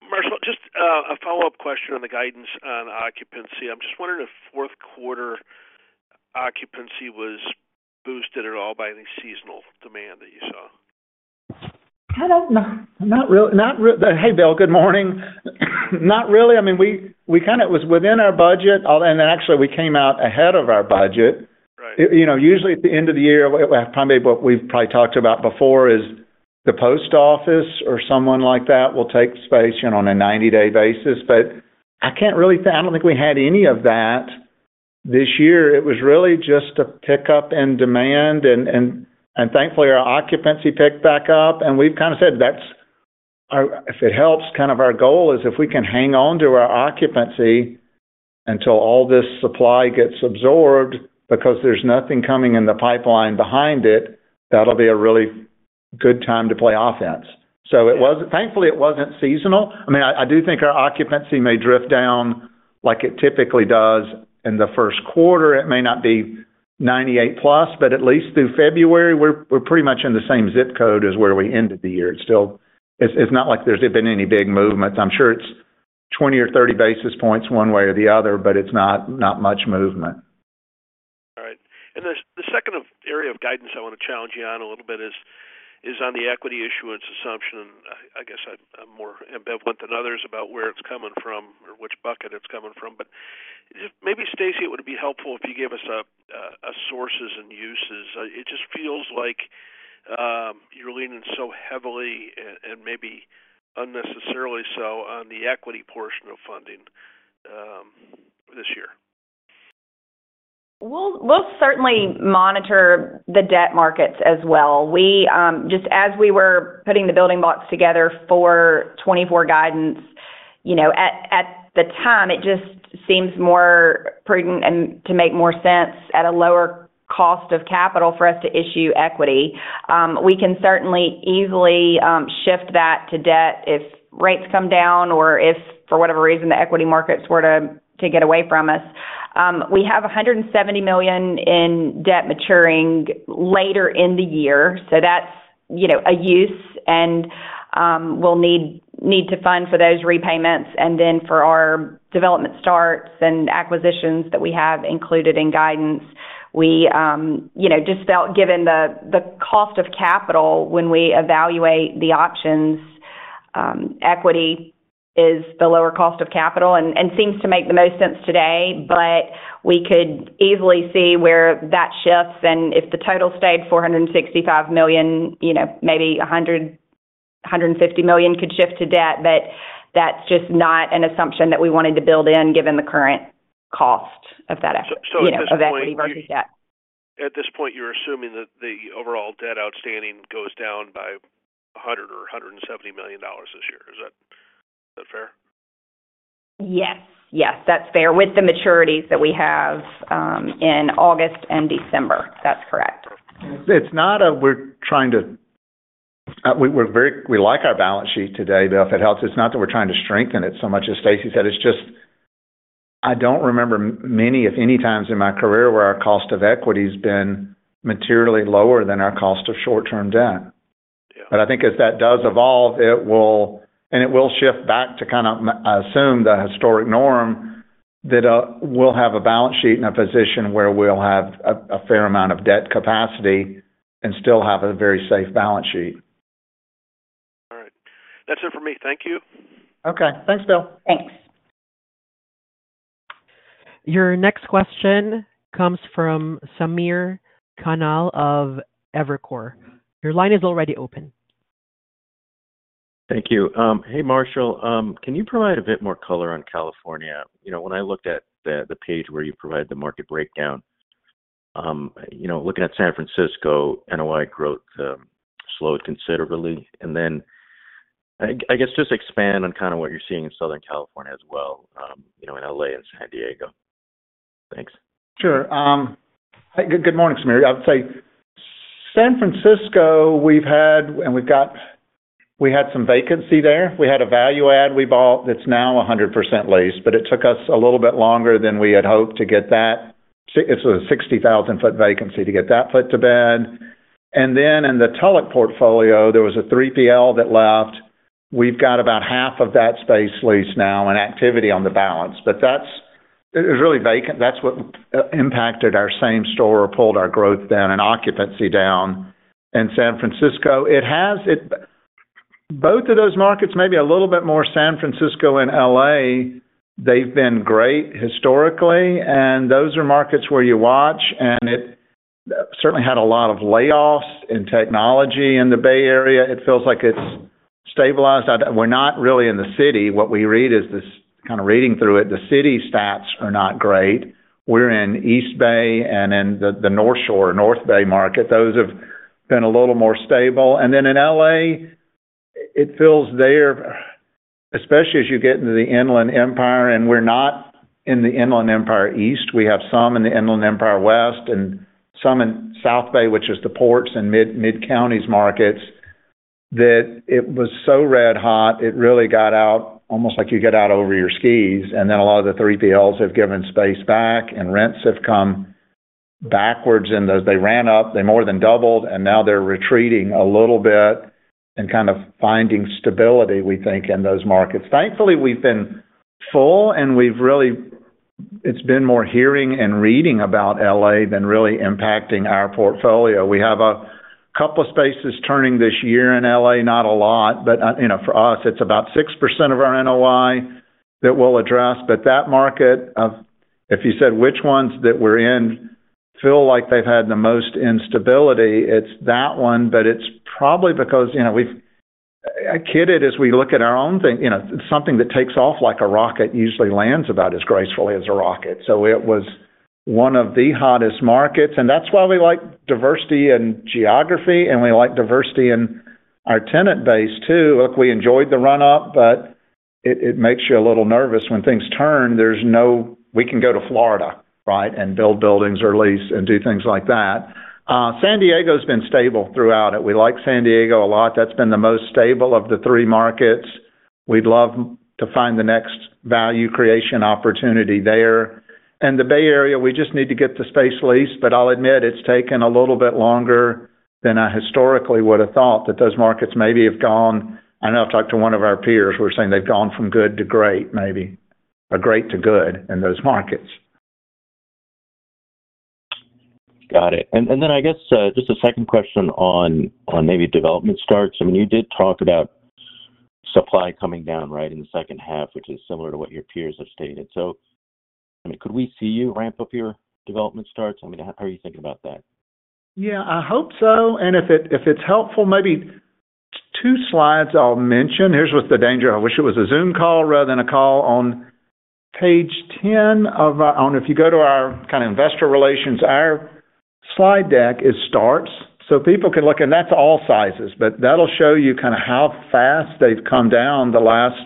Marshall, just a follow-up question on the guidance on occupancy. I'm just wondering if Q4 occupancy was boosted at all by any seasonal demand that you saw? Kind of, no, not really. Not really. Hey, Bill, good morning. I mean, we kind of... It was within our budget, and then actually we came out ahead of our budget. Right. You know, usually at the end of the year, probably what we've probably talked about before is the post office or someone like that will take space, you know, on a 90-day basis. But I can't really find. I don't think we had any of that this year. It was really just a pickup in demand and, and, and thankfully, our occupancy picked back up, and we've kind of said that's, if it helps, kind of our goal is if we can hang on to our occupancy until all this supply gets absorbed, because there's nothing coming in the pipeline behind it, that'll be a really good time to play offense. So it wasn't. Thankfully, it wasn't seasonal. I mean, I do think our occupancy may drift down like it typically does in the Q1. It may not be 98 plus, but at least through February, we're pretty much in the same zip code as where we ended the year. It's still... It's not like there's been any big movements. I'm sure it's 20 or 30 basis points one way or the other, but it's not much movement. All right. And the second area of guidance I want to challenge you on a little bit is on the equity issuance assumption. I guess I'm more ambivalent than others about where it's coming from or which bucket it's coming from. But if maybe, Staci, it would be helpful if you gave us a sources and uses. It just feels like you're leaning so heavily and maybe unnecessarily so on the equity portion of funding this year. We'll certainly monitor the debt markets as well. We just as we were putting the building blocks together for 2024 guidance, you know, at the time, it just seems more prudent and to make more sense at a lower cost of capital for us to issue equity. We can certainly easily shift that to debt if rates come down or if, for whatever reason, the equity markets were to get away from us. We have $170 million in debt maturing later in the year, so that's, you know, a use, and we'll need to fund for those repayments and then for our development starts and acquisitions that we have included in guidance. We, you know, just felt, given the, the cost of capital when we evaluate the options, equity is the lower cost of capital and, and seems to make the most sense today. But we could easily see where that shifts, and if the total stayed $465 million, you know, maybe $150 million could shift to debt, but that's just not an assumption that we wanted to build in, given the current cost of that, you know, of equity versus debt. At this point, you're assuming that the overall debt outstanding goes down by $100 million or $170 million this year. Is that, is that fair? Yes, that's fair. With the maturities that we have, in August and December. That's correct. It's not that we're trying to. We're very. We like our balance sheet today, Bill, if it helps. It's not that we're trying to strengthen it so much as Staci said. It's just... I don't remember many, if any, times in my career where our cost of equity has been materially lower than our cost of short-term debt. Yeah. But I think as that does evolve, it will and it will shift back to kind of assume the historic norm, that we'll have a balance sheet in a position where we'll have a fair amount of debt capacity and still have a very safe balance sheet. All right. That's it for me. Thank you. Okay. Thanks, Bill. Thanks. Your next question comes from Samir Khanal of Evercore. Your line is already open. Thank you. Hey, Marshall, can you provide a bit more color on California? You know, when I looked at the page where you provided the market breakdown, you know, looking at San Francisco, NOI growth slowed considerably. And then, I guess, just expand on kind of what you're seeing in Southern California as well, you know, in L.A. and San Diego. Thanks. Sure. Hey, good morning, Sameer. I'd say San Francisco, we've had, and we've got—we had some vacancy there. We had a value-add we bought that's now 100% leased, but it took us a little bit longer than we had hoped to get that—it's a 60,000 sq ft vacancy, to get that foot to bed. And then in the Tulloch portfolio, there was a 3PL that left. We've got about half of that space leased now and activity on the balance, but that's—it was really vacant. That's what impacted our same-store, or pulled our growth down and occupancy down in San Francisco. It has both of those markets, maybe a little bit more San Francisco and LA. They've been great historically, and those are markets where you watch, and it certainly had a lot of layoffs in technology in the Bay Area. It feels like it's stabilized. We're not really in the city. What we read is this, kind of, reading through it, the city stats are not great. We're in East Bay and in the North Bay market. Those have been a little more stable. And then in LA, it feels there, especially as you get into the Inland Empire, and we're not in the Inland Empire East. We have some in the Inland Empire West and some in South Bay, which is the ports and Mid-Counties markets, that it was so red hot, it really got out, almost like you get out over your skis, and then a lot of the 3PLs have given space back, and rents have come backwards in those. They ran up, they more than doubled, and now they're retreating a little bit and kind of finding stability, we think, in those markets. Thankfully, we've been full, and we've really, it's been more hearing and reading about L.A. than really impacting our portfolio. We have a couple of spaces turning this year in L.A., not a lot, but, you know, for us, it's about 6% of our NOI that we'll address. But that market, if you said which ones that we're in feel like they've had the most instability, it's that one, but it's probably because, you know, we've... I kid it as we look at our own thing, you know, something that takes off like a rocket, usually lands about as gracefully as a rocket. So it was one of the hottest markets, and that's why we like diversity and geography, and we like diversity in our tenant base, too. Look, we enjoyed the run-up, but it, it makes you a little nervous when things turn. There's no, we can go to Florida, right, and build buildings or lease and do things like that. San Diego's been stable throughout it. We like San Diego a lot. That's been the most stable of the three markets. We'd love to find the next value creation opportunity there. The Bay Area, we just need to get the space leased, but I'll admit it's taken a little bit longer than I historically would have thought that those markets maybe have gone. I know I've talked to one of our peers who were saying they've gone from good to great, maybe, or great to good in those markets. Got it. And then I guess, just a second question on maybe development starts. I mean, you did talk about supply coming down right in the H2, which is similar to what your peers have stated. So, I mean, could we see you ramp up your development starts? I mean, how are you thinking about that? Yeah, I hope so. If it, if it's helpful, maybe two slides I'll mention. Here's what's the danger. I wish it was a Zoom call rather than a call. On page 10 of our investor relations, our slide deck, it starts. So people can look, and that's all sizes, but that'll show you kind of how fast they've come down the last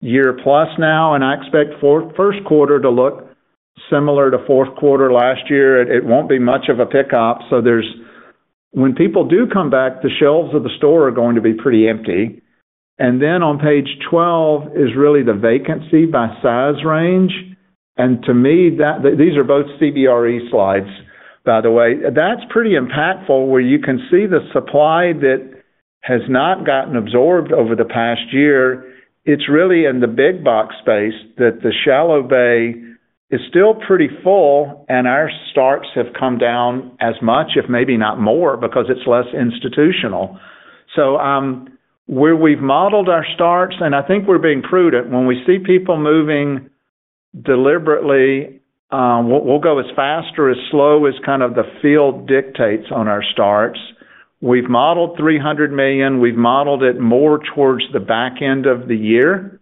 year plus now, and I expect fourth-Q1 to look similar to Q4 last year. It, it won't be much of a pickup, so when people do come back, the shelves of the store are going to be pretty empty. And then on page 12 is really the vacancy by size range. And to me, that—these are both CBRE slides, by the way. That's pretty impactful, where you can see the supply that has not gotten absorbed over the past year. It's really in the Big Box space, that the Shallow Bay is still pretty full, and our starts have come down as much, if maybe not more, because it's less institutional. So, where we've modeled our starts, and I think we're being prudent, when we see people moving deliberately, we'll, we'll go as fast or as slow as kind of the field dictates on our starts. We've modeled $300 million. We've modeled it more towards the back end of the year.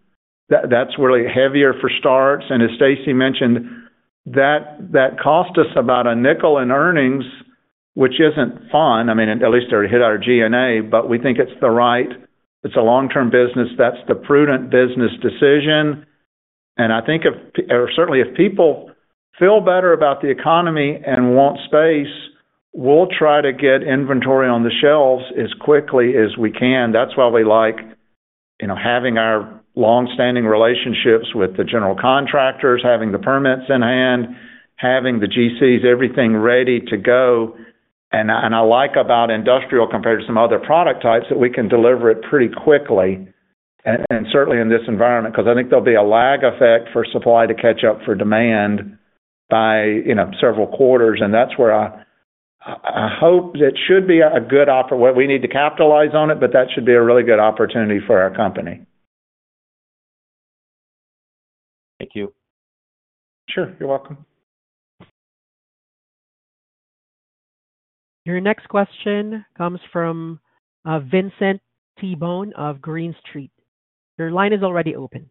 That's really heavier for starts, and as Staci mentioned, that, that cost us about $0.05 in earnings, which isn't fun. I mean, at least it hit our G&A, but we think it's the right... It's a long-term business. That's the prudent business decision. And I think if, or certainly if people feel better about the economy and want space, we'll try to get inventory on the shelves as quickly as we can. That's why we like, you know, having our long-standing relationships with the general contractors, having the permits in hand, having the GCs, everything ready to go. And I, and I like about industrial compared to some other product types, that we can deliver it pretty quickly, and, and certainly in this environment, because I think there'll be a lag effect for supply to catch up for demand by, you know, several quarters. And that's where I, I hope it should be a good, well, we need to capitalize on it, but that should be a really good opportunity for our company. Thank you. Sure. You're welcome. Your next question comes from Vincent Tibone of Green Street. Your line is already open.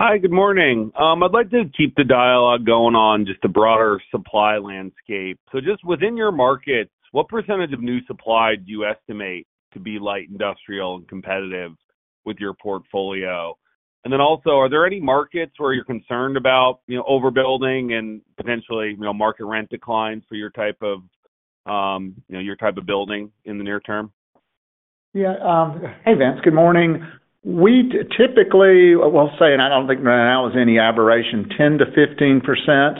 Hi, good morning. I'd like to keep the dialogue going on just the broader supply landscape. So just within your markets, what percentage of new supply do you estimate to be light industrial and competitive with your portfolio? And then also, are there any markets where you're concerned about, you know, overbuilding and potentially, you know, market rent declines for your type of, you know, your type of building in the near term? Yeah, hey, Vince. Good morning. We typically, we'll say, and I don't think that was any aberration, 10%-15%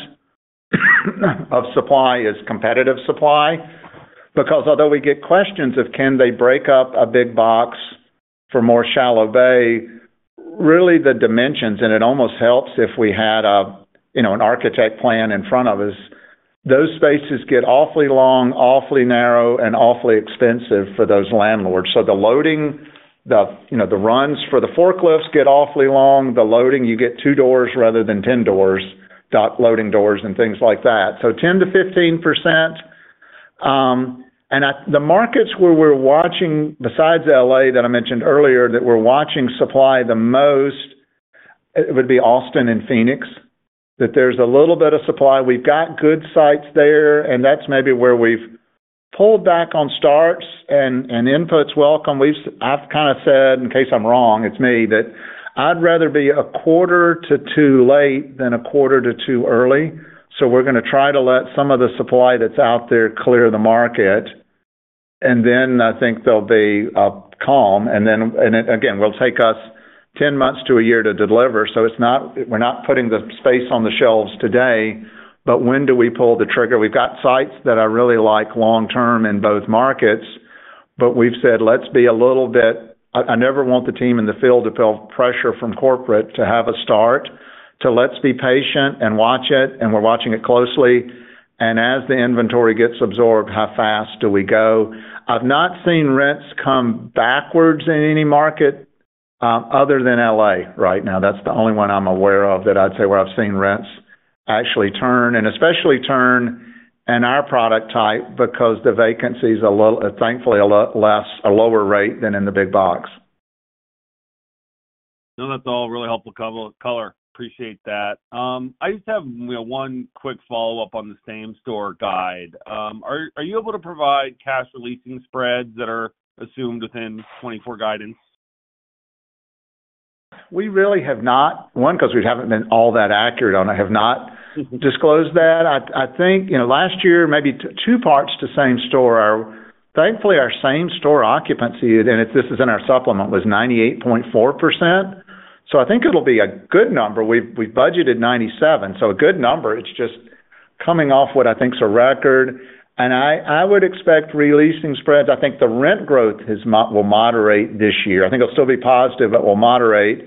of supply is competitive supply, because although we get questions of can they break up a Big Box for more Shallow Bay, really the dimensions, and it almost helps if we had a, you know, an architect plan in front of us. Those spaces get awfully long, awfully narrow, and awfully expensive for those landlords. So the loading, you know, the runs for the forklifts get awfully long. The loading, you get two doors rather than 10 doors, dock loading doors and things like that. So 10%-15%, and at the markets where we're watching, besides L.A., that I mentioned earlier, that we're watching supply the most, it would be Austin and Phoenix, that there's a little bit of supply. We've got good sites there, and that's maybe where we've pulled back on starts, and input's welcome. I've kind of said, in case I'm wrong, it's me, that I'd rather be a quarter or two late than a quarter or two early. So we're going to try to let some of the supply that's out there clear the market, and then I think there'll be a calm, and then, and again, it will take us 10 months to a year to deliver. So it's not. We're not putting the space on the shelves today, but when do we pull the trigger? We've got sites that I really like long term in both markets, but we've said, let's be a little bit. I never want the team in the field to feel pressure from corporate to have a start. So let's be patient and watch it, and we're watching it closely. As the inventory gets absorbed, how fast do we go? I've not seen rents come backwards in any market, other than L.A. right now. That's the only one I'm aware of that I'd say, where I've seen rents actually turn, and especially turn in our product type, because the vacancy is a little, thankfully, a lot less, a lower rate than in the Big Box. No, that's all really helpful color. Appreciate that. I just have, you know, one quick follow-up on the same-store guidance. Are you able to provide cash releasing spreads that are assumed within 2024 guidance? We really have not. One, because we haven't been all that accurate on it. I have not disclosed that. I think, you know, last year, maybe two parts to same store are. Thankfully, our same store occupancy, and it, this is in our supplement, was 98.4%. So I think it'll be a good number. We've budgeted 97%, so a good number. It's just coming off what I think is a record, and I would expect releasing spreads. I think the rent growth will moderate this year. I think it'll still be positive, but will moderate.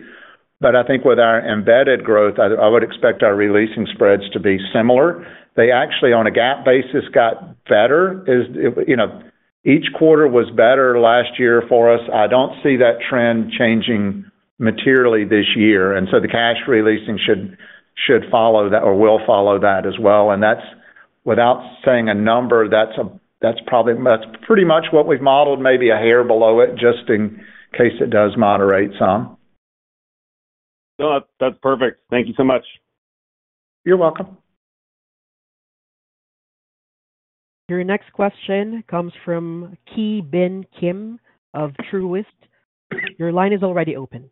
But I think with our embedded growth, I would expect our releasing spreads to be similar. They actually, on a GAAP basis, got better. You know, each quarter was better last year for us. I don't see that trend changing materially this year, and so the cash releasing should follow that or will follow that as well. And that's, without saying a number, that's probably pretty much what we've modeled, maybe a hair below it, just in case it does moderate some. No, that's perfect. Thank you so much. You're welcome. Your next question comes from Ki Bin Kim of Truist. Your line is already open.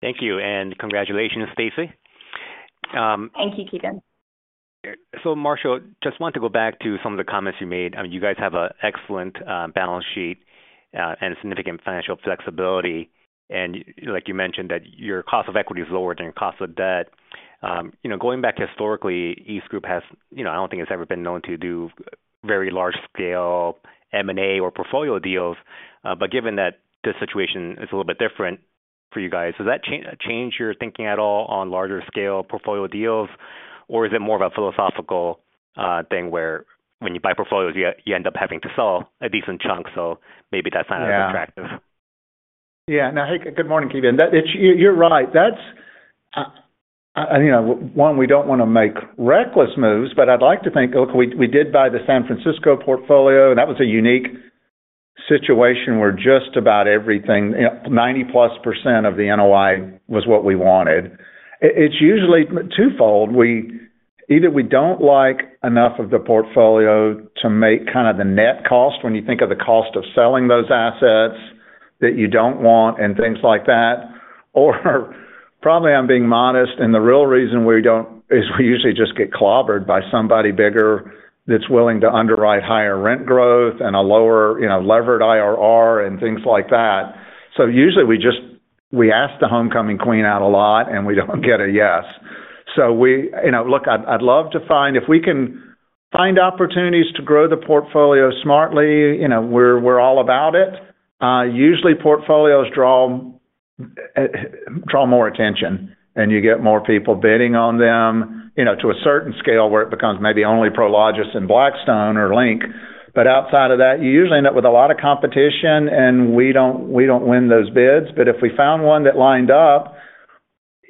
Thank you, and congratulations, Staci. Thank you, Ki Bin. So Marshall, just want to go back to some of the comments you made. I mean, you guys have an excellent balance sheet and significant financial flexibility, and like you mentioned, that your cost of equity is lower than your cost of debt. You know, going back historically, EastGroup has, you know, I don't think it's ever been known to do very large-scale M&A or portfolio deals, but given that this situation is a little bit different for you guys, does that change your thinking at all on larger scale portfolio deals? Or is it more of a philosophical thing where when you buy portfolios, you end up having to sell a decent chunk, so maybe that's not as attractive? Yeah. Now, hey, good morning, Ki Bin. That's right. And, you know, one, we don't wanna make reckless moves, but I'd like to think, look, we did buy the San Francisco portfolio, and that was a unique situation where just about everything, 90%+ of the NOI was what we wanted. It's usually twofold. We-- Either we don't like enough of the portfolio to make kind of the net cost when you think of the cost of selling those assets that you don't want and things like that, or probably I'm being modest, and the real reason we don't is we usually just get clobbered by somebody bigger that's willing to underwrite higher rent growth and a lower, you know, levered IRR and things like that. So usually we ask the homecoming queen out a lot, and we don't get a yes. So we—you know, look, I'd love to find—if we can find opportunities to grow the portfolio smartly, you know, we're all about it. Usually, portfolios draw more attention, and you get more people bidding on them, you know, to a certain scale, where it becomes maybe only Prologis and Blackstone or Link. But outside of that, you usually end up with a lot of competition, and we don't win those bids. But if we found one that lined up,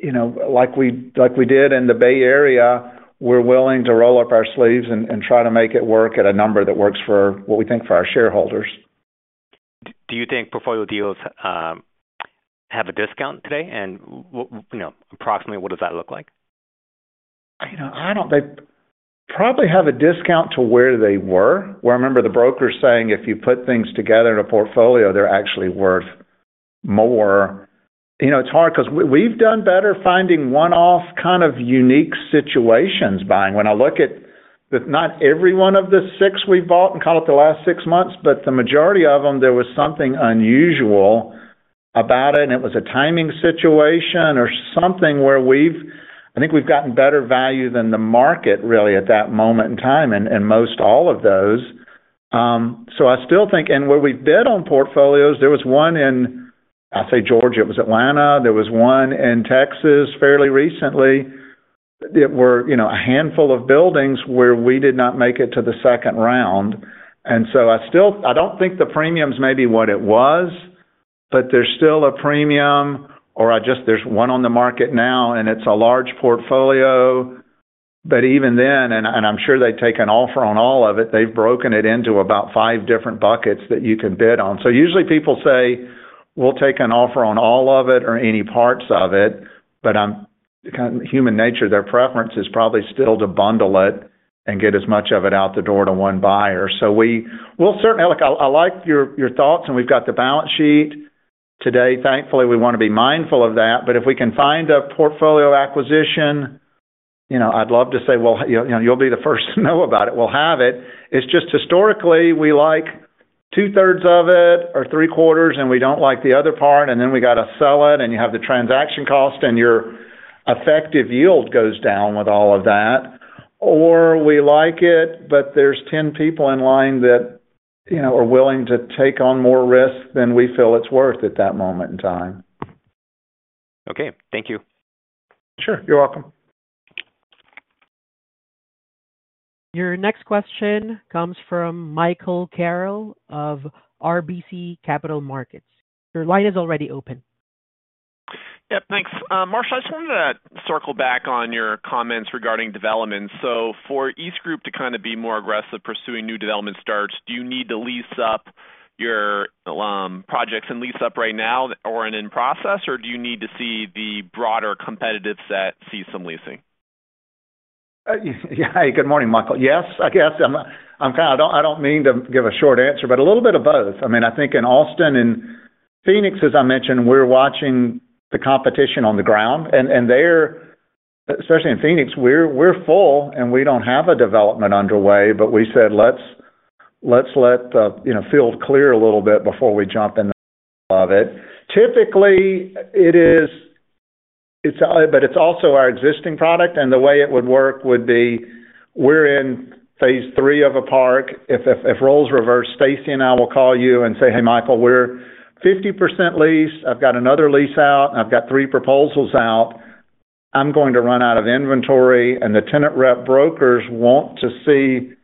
you know, like we did in the Bay Area, we're willing to roll up our sleeves and try to make it work at a number that works for what we think for our shareholders. Do you think portfolio deals have a discount today? And you know, approximately, what does that look like? You know, I don't. They probably have a discount to where they were, where I remember the broker saying, if you put things together in a portfolio, they're actually worth more. You know, it's hard 'cause we've done better finding one-off, kind of unique situations buying. When I look at, not every one of the six we've bought and call it the last six months, but the majority of them, there was something unusual about it, and it was a timing situation or something where we've - I think we've gotten better value than the market, really, at that moment in time, and, and most all of those. So I still think, and where we bid on portfolios, there was one in, I'll say, Georgia, it was Atlanta. There was one in Texas fairly recently. It were, you know, a handful of buildings where we did not make it to the second round. And so I still—I don't think the premium is maybe what it was, but there's still a premium, or I just. There's one on the market now, and it's a large portfolio. But even then, and I'm sure they'd take an offer on all of it, they've broken it into about five different buckets that you can bid on. So usually people say "We'll take an offer on all of it or any parts of it", but kind of human nature, their preference is probably still to bundle it and get as much of it out the door to one buyer. So we'll certainly-Look, I like your thoughts, and we've got the balance sheet. Today, thankfully, we wanna be mindful of that, but if we can find a portfolio acquisition, you know, I'd love to say, well, you know, you'll be the first to know about it. We'll have it. It's just historically, we like 2/3 of it or 3/4, and we don't like the other part, and then we got to sell it, and you have the transaction cost, and your effective yield goes down with all of that. Or we like it, but there's 10 people in line that, you know, are willing to take on more risk than we feel it's worth at that moment in time. Okay, thank you. Sure. You're welcome. Your next question comes from Michael Carroll of RBC Capital Markets. Your line is already open. Yep, thanks. Marshall, I just wanted to circle back on your comments regarding developments. So for EastGroup to kind of be more aggressive pursuing new development starts, do you need to lease up your projects and lease up right now or in process, or do you need to see the broader competitive set see some leasing? Yeah. Hey, good morning, Michael. Yes, I guess I'm kind of—I don't mean to give a short answer, but a little bit of both. I mean, I think in Austin and Phoenix, as I mentioned, we're watching the competition on the ground, and there, especially in Phoenix, we're full, and we don't have a development underway, but we said, Let's let the, you know, field clear a little bit before we jump into all of it. Typically, it is. It's, but it's also our existing product, and the way it would work would be we're in phase three of a park. If roles reverse, Staci and I will call you and say, "Hey, Michael, we're 50% leased. I've got another lease out, and I've got three proposals out. I'm going to run out of inventory," and the tenant rep brokers want to see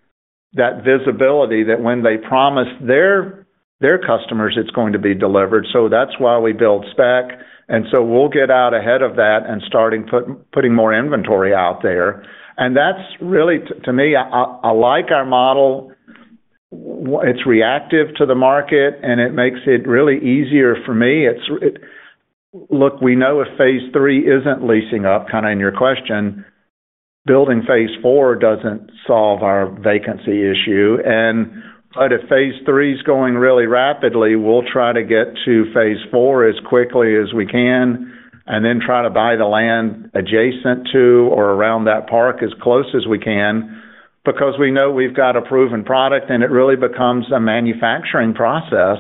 that visibility, that when they promise their customers, it's going to be delivered. So that's why we build stack, and so we'll get out ahead of that and starting putting more inventory out there. And that's really, to me, I like our model. It's reactive to the market, and it makes it really easier for me. It's... Look, we know if phase three isn't leasing up, kind of in your question. Building phase four doesn't solve our vacancy issue. If phase three is going really rapidly, we'll try to get to phase four as quickly as we can, and then try to buy the land adjacent to or around that park as close as we can, because we know we've got a proven product, and it really becomes a manufacturing process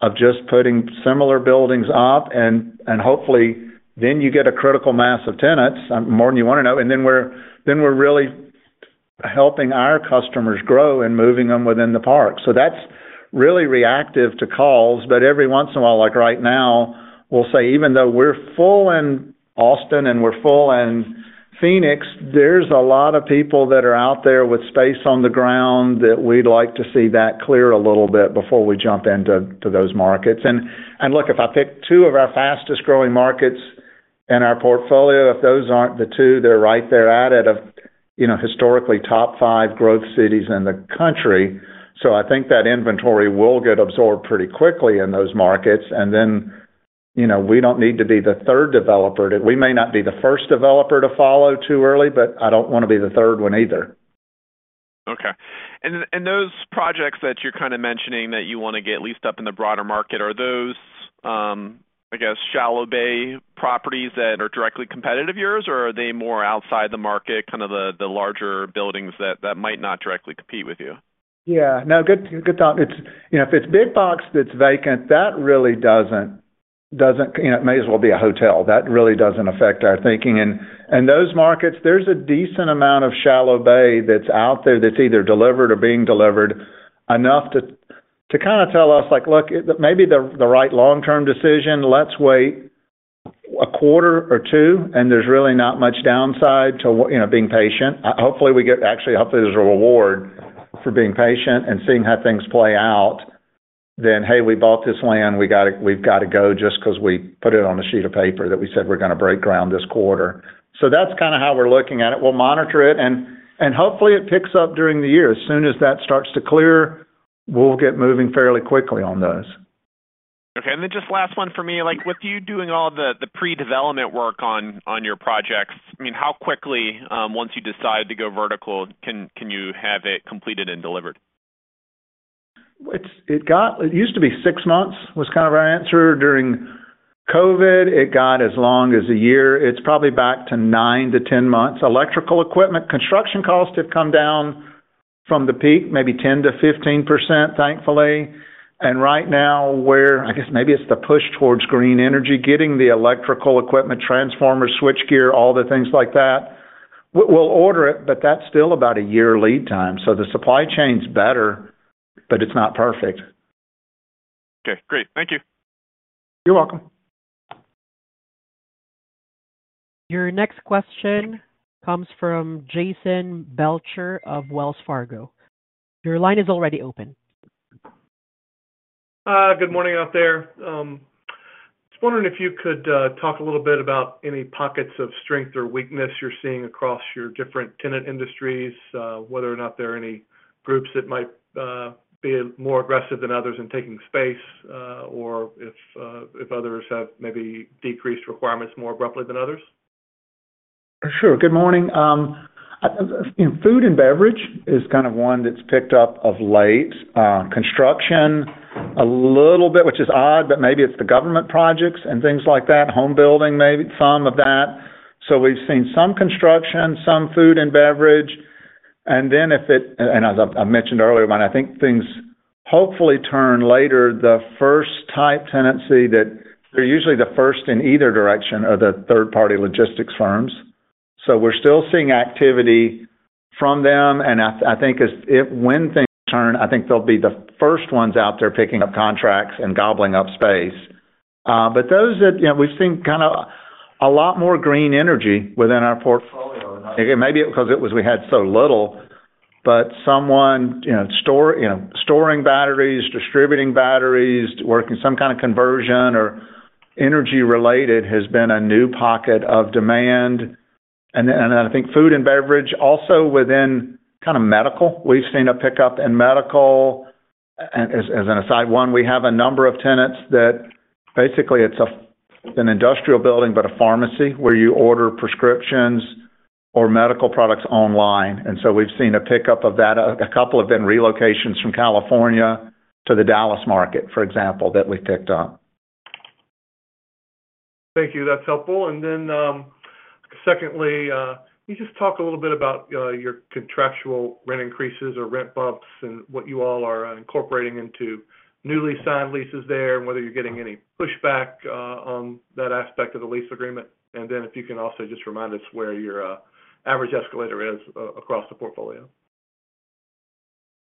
of just putting similar buildings up, and hopefully, then you get a critical mass of tenants, more than you want to know. Then we're really helping our customers grow and moving them within the park. So that's really reactive to calls, but every once in a while, like right now, we'll say, even though we're full in Austin and we're full in Phoenix, there's a lot of people that are out there with space on the ground that we'd like to see that clear a little bit before we jump into those markets. And look, if I pick two of our fastest-growing markets in our portfolio, if those aren't the two, they're right there at a, you know, historically, top five growth cities in the country. So I think that inventory will get absorbed pretty quickly in those markets, and then, you know, we don't need to be the third developer. We may not be the first developer to follow too early, but I don't wanna be the third one either. Okay. And those projects that you're kind of mentioning that you want to get leased up in the broader market, are those, I guess, shallow bay properties that are directly competitive yours, or are they more outside the market, kind of the larger buildings that might not directly compete with you? Yeah. No, good, good thought. It's you know, if it's big box that's vacant, that really doesn't... You know, it may as well be a hotel. That really doesn't affect our thinking. And those markets, there's a decent amount of shallow bay that's out there that's either delivered or being delivered, enough to kind of tell us, like, "Look, maybe the right long-term decision, let's wait a quarter or two, and there's really not much downside to, you know, being patient." Actually, hopefully, there's a reward for being patient and seeing how things play out, than, "Hey, we've got to go just because we put it on a sheet of paper, that we said we're going to break ground this quarter." So that's kind of how we're looking at it. We'll monitor it, and hopefully, it picks up during the year. As soon as that starts to clear, we'll get moving fairly quickly on those. Okay, and then just last one for me. Like, with you doing all the pre-development work on your projects, I mean, how quickly once you decide to go vertical, can you have it completed and delivered? It used to be 6 months, was kind of our answer. During COVID, it got as long as a year. It's probably back to 9-10 months. Electrical equipment, construction costs have come down from the peak, maybe 10%-15%, thankfully. And right now, I guess maybe it's the push towards green energy, getting the electrical equipment, transformers, switchgear, all the things like that. We'll order it, but that's still about a year lead time. So the supply chain's better, but it's not perfect. Okay, great. Thank you. You're welcome. Your next question comes from Jason Belcher of Wells Fargo. Your line is already open. Good morning out there. Just wondering if you could talk a little bit about any pockets of strength or weakness you're seeing across your different tenant industries, whether or not there are any groups that might be more aggressive than others in taking space, or if others have maybe decreased requirements more abruptly than others. Sure. Good morning. Food and beverage is kind of one that's picked up of late. Construction, a little bit, which is odd, but maybe it's the government projects and things like that. Home building, maybe some of that. So we've seen some construction, some food and beverage. And as I mentioned earlier, when I think things hopefully turn later, the first type tenancy that they're usually the first in either direction, are the third-party logistics firms. So we're still seeing activity from them, and I think when things turn, I think they'll be the first ones out there picking up contracts and gobbling up space. But those that, you know, we've seen kind of a lot more green energy within our portfolio. Maybe because it was we had so little, but someone, you know, store, you know, storing batteries, distributing batteries, working some kind of conversion or energy-related, has been a new pocket of demand. And then, and I think food and beverage also within kind of medical. We've seen a pickup in medical. And as an aside, one, we have a number of tenants that basically it's a, an industrial building, but a pharmacy where you order prescriptions or medical products online. And so we've seen a pickup of that. A couple have been relocations from California to the Dallas market, for example, that we've picked up. Thank you. That's helpful. And then, secondly, can you just talk a little bit about your contractual rent increases or rent bumps and what you all are incorporating into newly signed leases there, and whether you're getting any pushback on that aspect of the lease agreement? And then if you can also just remind us where your average escalator is across the portfolio.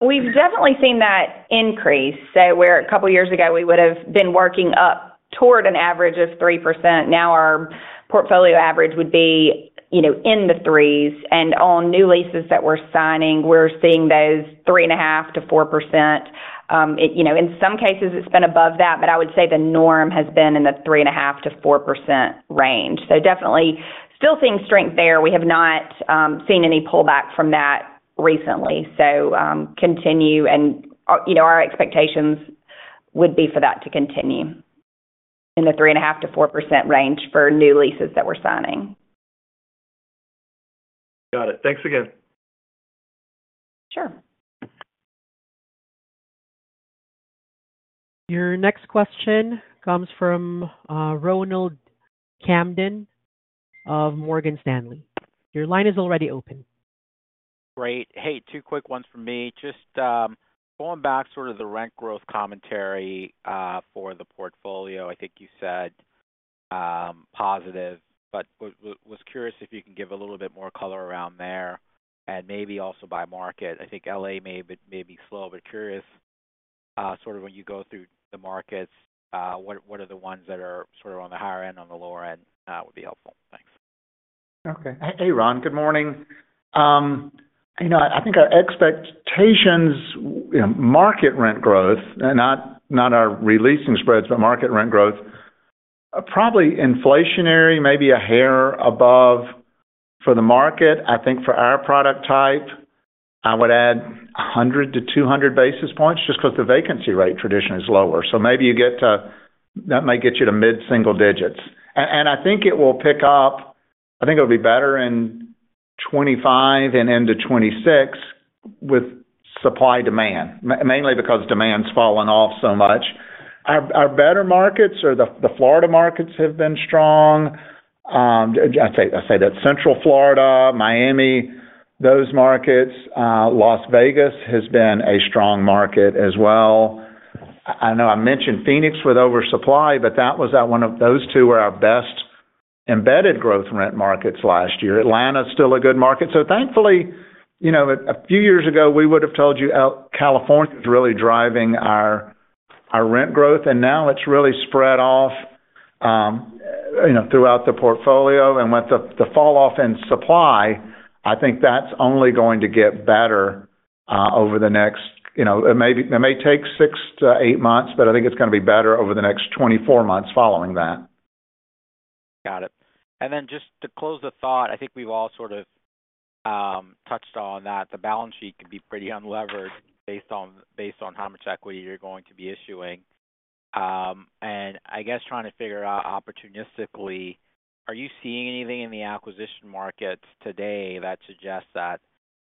We've definitely seen that increase. So where a couple of years ago, we would have been working up toward an average of 3%, now our portfolio average would be, you know, in the 3s. And on new leases that we're signing, we're seeing those 3.5%-4%. You know, in some cases, it's been above that, but I would say the norm has been in the 3.5%-4% range. So definitely still seeing strength there. We have not seen any pullback from that recently, so continue and, you know, our expectations would be for that to continue in the 3.5%-4% range for new leases that we're signing. Got it. Thanks again. Sure. Your next question comes from, Ronald Kamdem of Morgan Stanley. Your line is already open. Great. Hey, two quick ones for me. Just, going back sort of the rent growth commentary, for the portfolio, I think you said, positive, but was curious if you can give a little bit more color around there and maybe also by market. I think L.A. may be, may be slow, but curious, sort of when you go through the markets, what, what are the ones that are sort of on the higher end, on the lower end, would be helpful. Thanks. Okay. Hey, Ron, good morning. You know, I think our expectations, you know, market rent growth, not, not our re-leasing spreads, but market rent growth, probably inflationary, maybe a hair above for the market. I think for our product type, I would add 100-200 basis points just because the vacancy rate traditionally is lower. So maybe you get to... That might get you to mid-single digits. And I think it will pick up, I think it'll be better in 25 and into 26 with supply demand, mainly because demand's fallen off so much. Our better markets or the Florida markets have been strong. I'd say that's Central Florida, Miami, those markets. Las Vegas has been a strong market as well. I know I mentioned Phoenix with oversupply, but that was at one of those two were our best embedded growth rent markets last year. Atlanta is still a good market. So thankfully, you know, a few years ago, we would have told you our California is really driving our, our rent growth, and now it's really spread out, you know, throughout the portfolio. And with the, the falloff in supply, I think that's only going to get better, over the next - you know, it may be, it may take 6-8 months, but I think it's going to be better over the next 24 months following that. Got it. And then just to close the thought, I think we've all sort of touched on that the balance sheet can be pretty unlevered based on, based on how much equity you're going to be issuing. And I guess trying to figure out opportunistically, are you seeing anything in the acquisition markets today that suggests that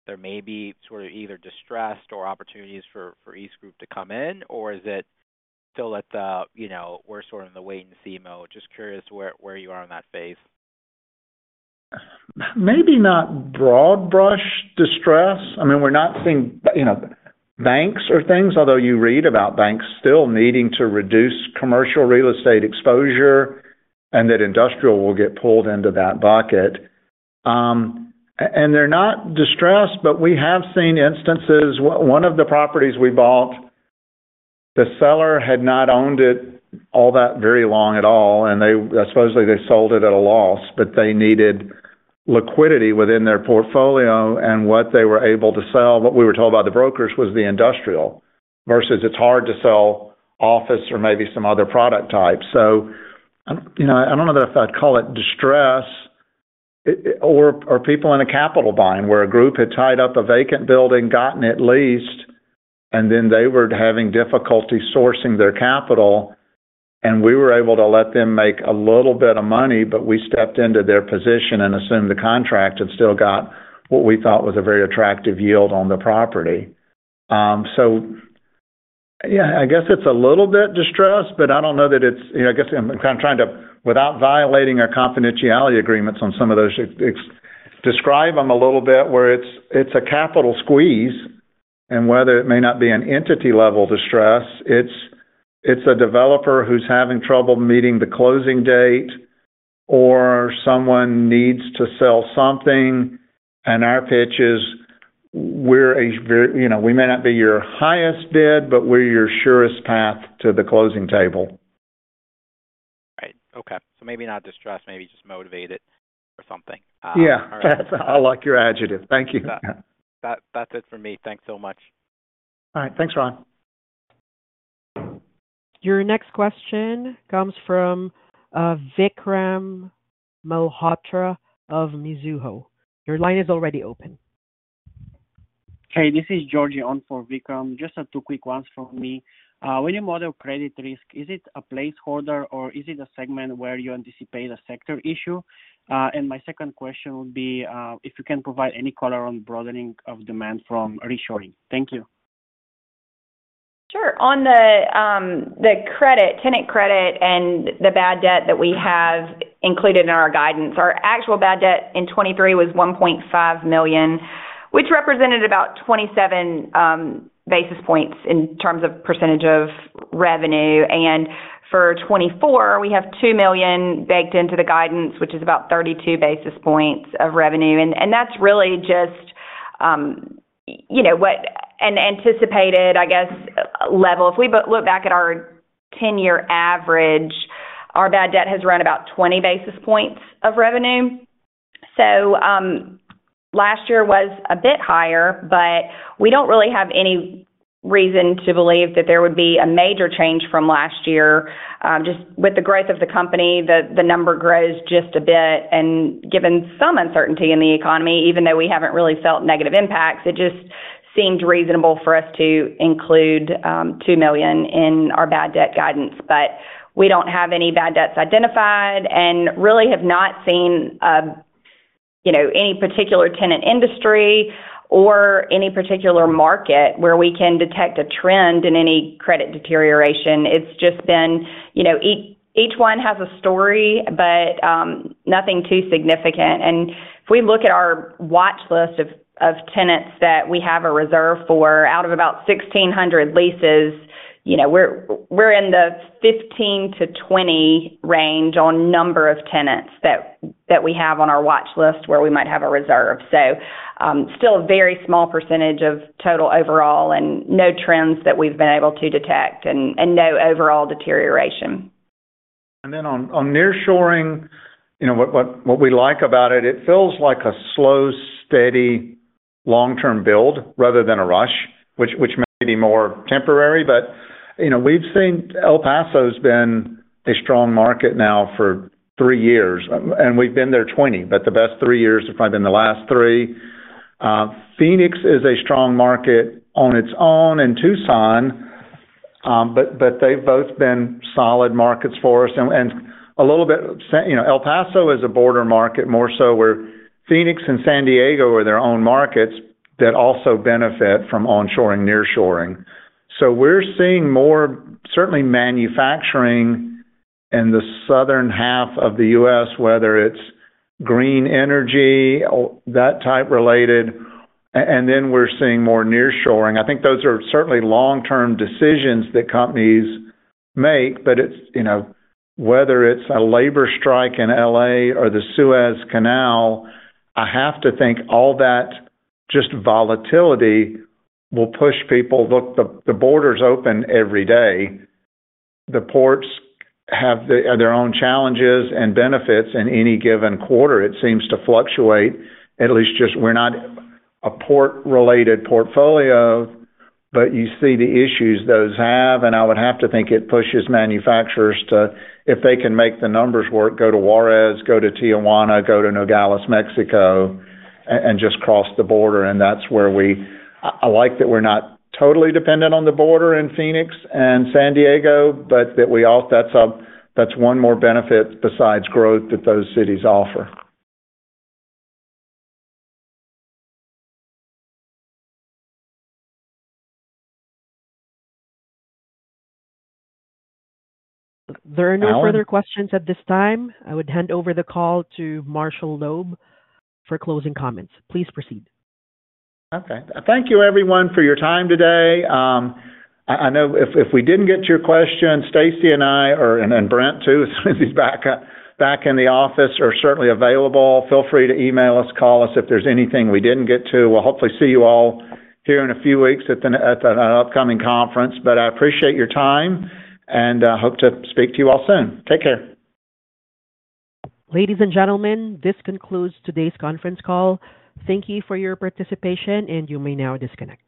there may be sort of either distressed or opportunities for EastGroup to come in? Or is it still at the, you know, we're sort of in the wait-and-see mode? Just curious where, where you are on that phase. Maybe not broad-brush distress. I mean, we're not seeing, you know, banks or things, although you read about banks still needing to reduce commercial real estate exposure and that industrial will get pulled into that bucket. And they're not distressed, but we have seen instances. One of the properties we bought, the seller had not owned it all that very long at all, and they, supposedly, they sold it at a loss, but they needed liquidity within their portfolio and what they were able to sell, what we were told by the brokers, was the industrial, versus it's hard to sell office or maybe some other product types. So, you know, I don't know that I'd call it distress, or, or people in a capital bind, where a group had tied up a vacant building, gotten it leased, and then they were having difficulty sourcing their capital, and we were able to let them make a little bit of money, but we stepped into their position and assumed the contract and still got what we thought was a very attractive yield on the property. So yeah, I guess it's a little bit distressed, but I don't know that it's... You know, I guess I'm trying to, without violating our confidentiality agreements on some of those, describe them a little bit, where it's a capital squeeze, and whether it may not be an entity-level distress, it's a developer who's having trouble meeting the closing date or someone needs to sell something, and our pitch is, we're a very... You know, we may not be your highest bid, but we're your surest path to the closing table. Right. Okay. So maybe not distressed, maybe just motivated or something. Yeah, I like your adjective. Thank you. That, that's it for me. Thanks so much. All right. Thanks, Ron. Your next question comes from, Vikram Malhotra of Mizuho. Your line is already open. Hey, this is Georgie on for Vikram. Just have two quick ones from me. When you model credit risk, is it a placeholder or is it a segment where you anticipate a sector issue? And my second question would be, if you can provide any color on broadening of demand from reshoring. Thank you. Sure. On the credit, tenant credit and the bad debt that we have included in our guidance, our actual bad debt in 2023 was $1.5 million, which represented about 27 basis points in terms of percentage of revenue, and for 2024, we have $2 million baked into the guidance, which is about 32 basis points of revenue. And that's really just, you know, what an anticipated, I guess, level. If we look back at our 10-year average, our bad debt has run about 20 basis points of revenue. So, last year was a bit higher, but we don't really have any reason to believe that there would be a major change from last year. Just with the growth of the company, the number grows just a bit, and given some uncertainty in the economy, even though we haven't really felt negative impacts, it just seemed reasonable for us to include $2 million in our bad debt guidance. But we don't have any bad debts identified and really have not seen, you know, any particular tenant industry or any particular market where we can detect a trend in any credit deterioration. It's just been, you know, each one has a story, but nothing too significant. If we look at our watch list of tenants that we have a reserve for, out of about 1,600 leases, you know, we're in the 15-20 range on number of tenants that we have on our watch list, where we might have a reserve. So, still a very small percentage of total overall, and no trends that we've been able to detect and no overall deterioration. Then on nearshoring, you know, what we like about it, it feels like a slow, steady, long-term build rather than a rush, which may be more temporary. But, you know, we've seen El Paso's been a strong market now for three years, and we've been there 20, but the best three years have probably been the last three. Phoenix is a strong market on its own and Tucson, but they've both been solid markets for us and a little bit, you know, El Paso is a border market, more so where Phoenix and San Diego are their own markets that also benefit from onshoring, nearshoring. So we're seeing more, certainly manufacturing in the southern half of the U.S., whether it's green energy, or that type related, and then we're seeing more nearshoring. I think those are certainly long-term decisions that companies make, but it's, you know, whether it's a labor strike in L.A. or the Suez Canal, I have to think all that just volatility will push people. Look, the border's open every day. The ports have their own challenges and benefits in any given quarter, it seems to fluctuate. At least just we're not a port-related portfolio, but you see the issues those have, and I would have to think it pushes manufacturers to, if they can make the numbers work, go to Juarez, go to Tijuana, go to Nogales, Mexico, and just cross the border, and that's where we... I like that we're not totally dependent on the border in Phoenix and San Diego, but that's one more benefit besides growth that those cities offer. There are no further questions at this time. I would hand over the call to Marshall Loeb for closing comments. Please proceed. Okay. Thank you, everyone, for your time today. I know if we didn't get to your question, Staci and I, and Brent, too, as soon as he's back in the office, are certainly available. Feel free to email us, call us if there's anything we didn't get to. We'll hopefully see you all here in a few weeks at the upcoming conference. But I appreciate your time, and hope to speak to you all soon. Take care. Ladies and gentlemen, this concludes today's conference call. Thank you for your participation, and you may now disconnect.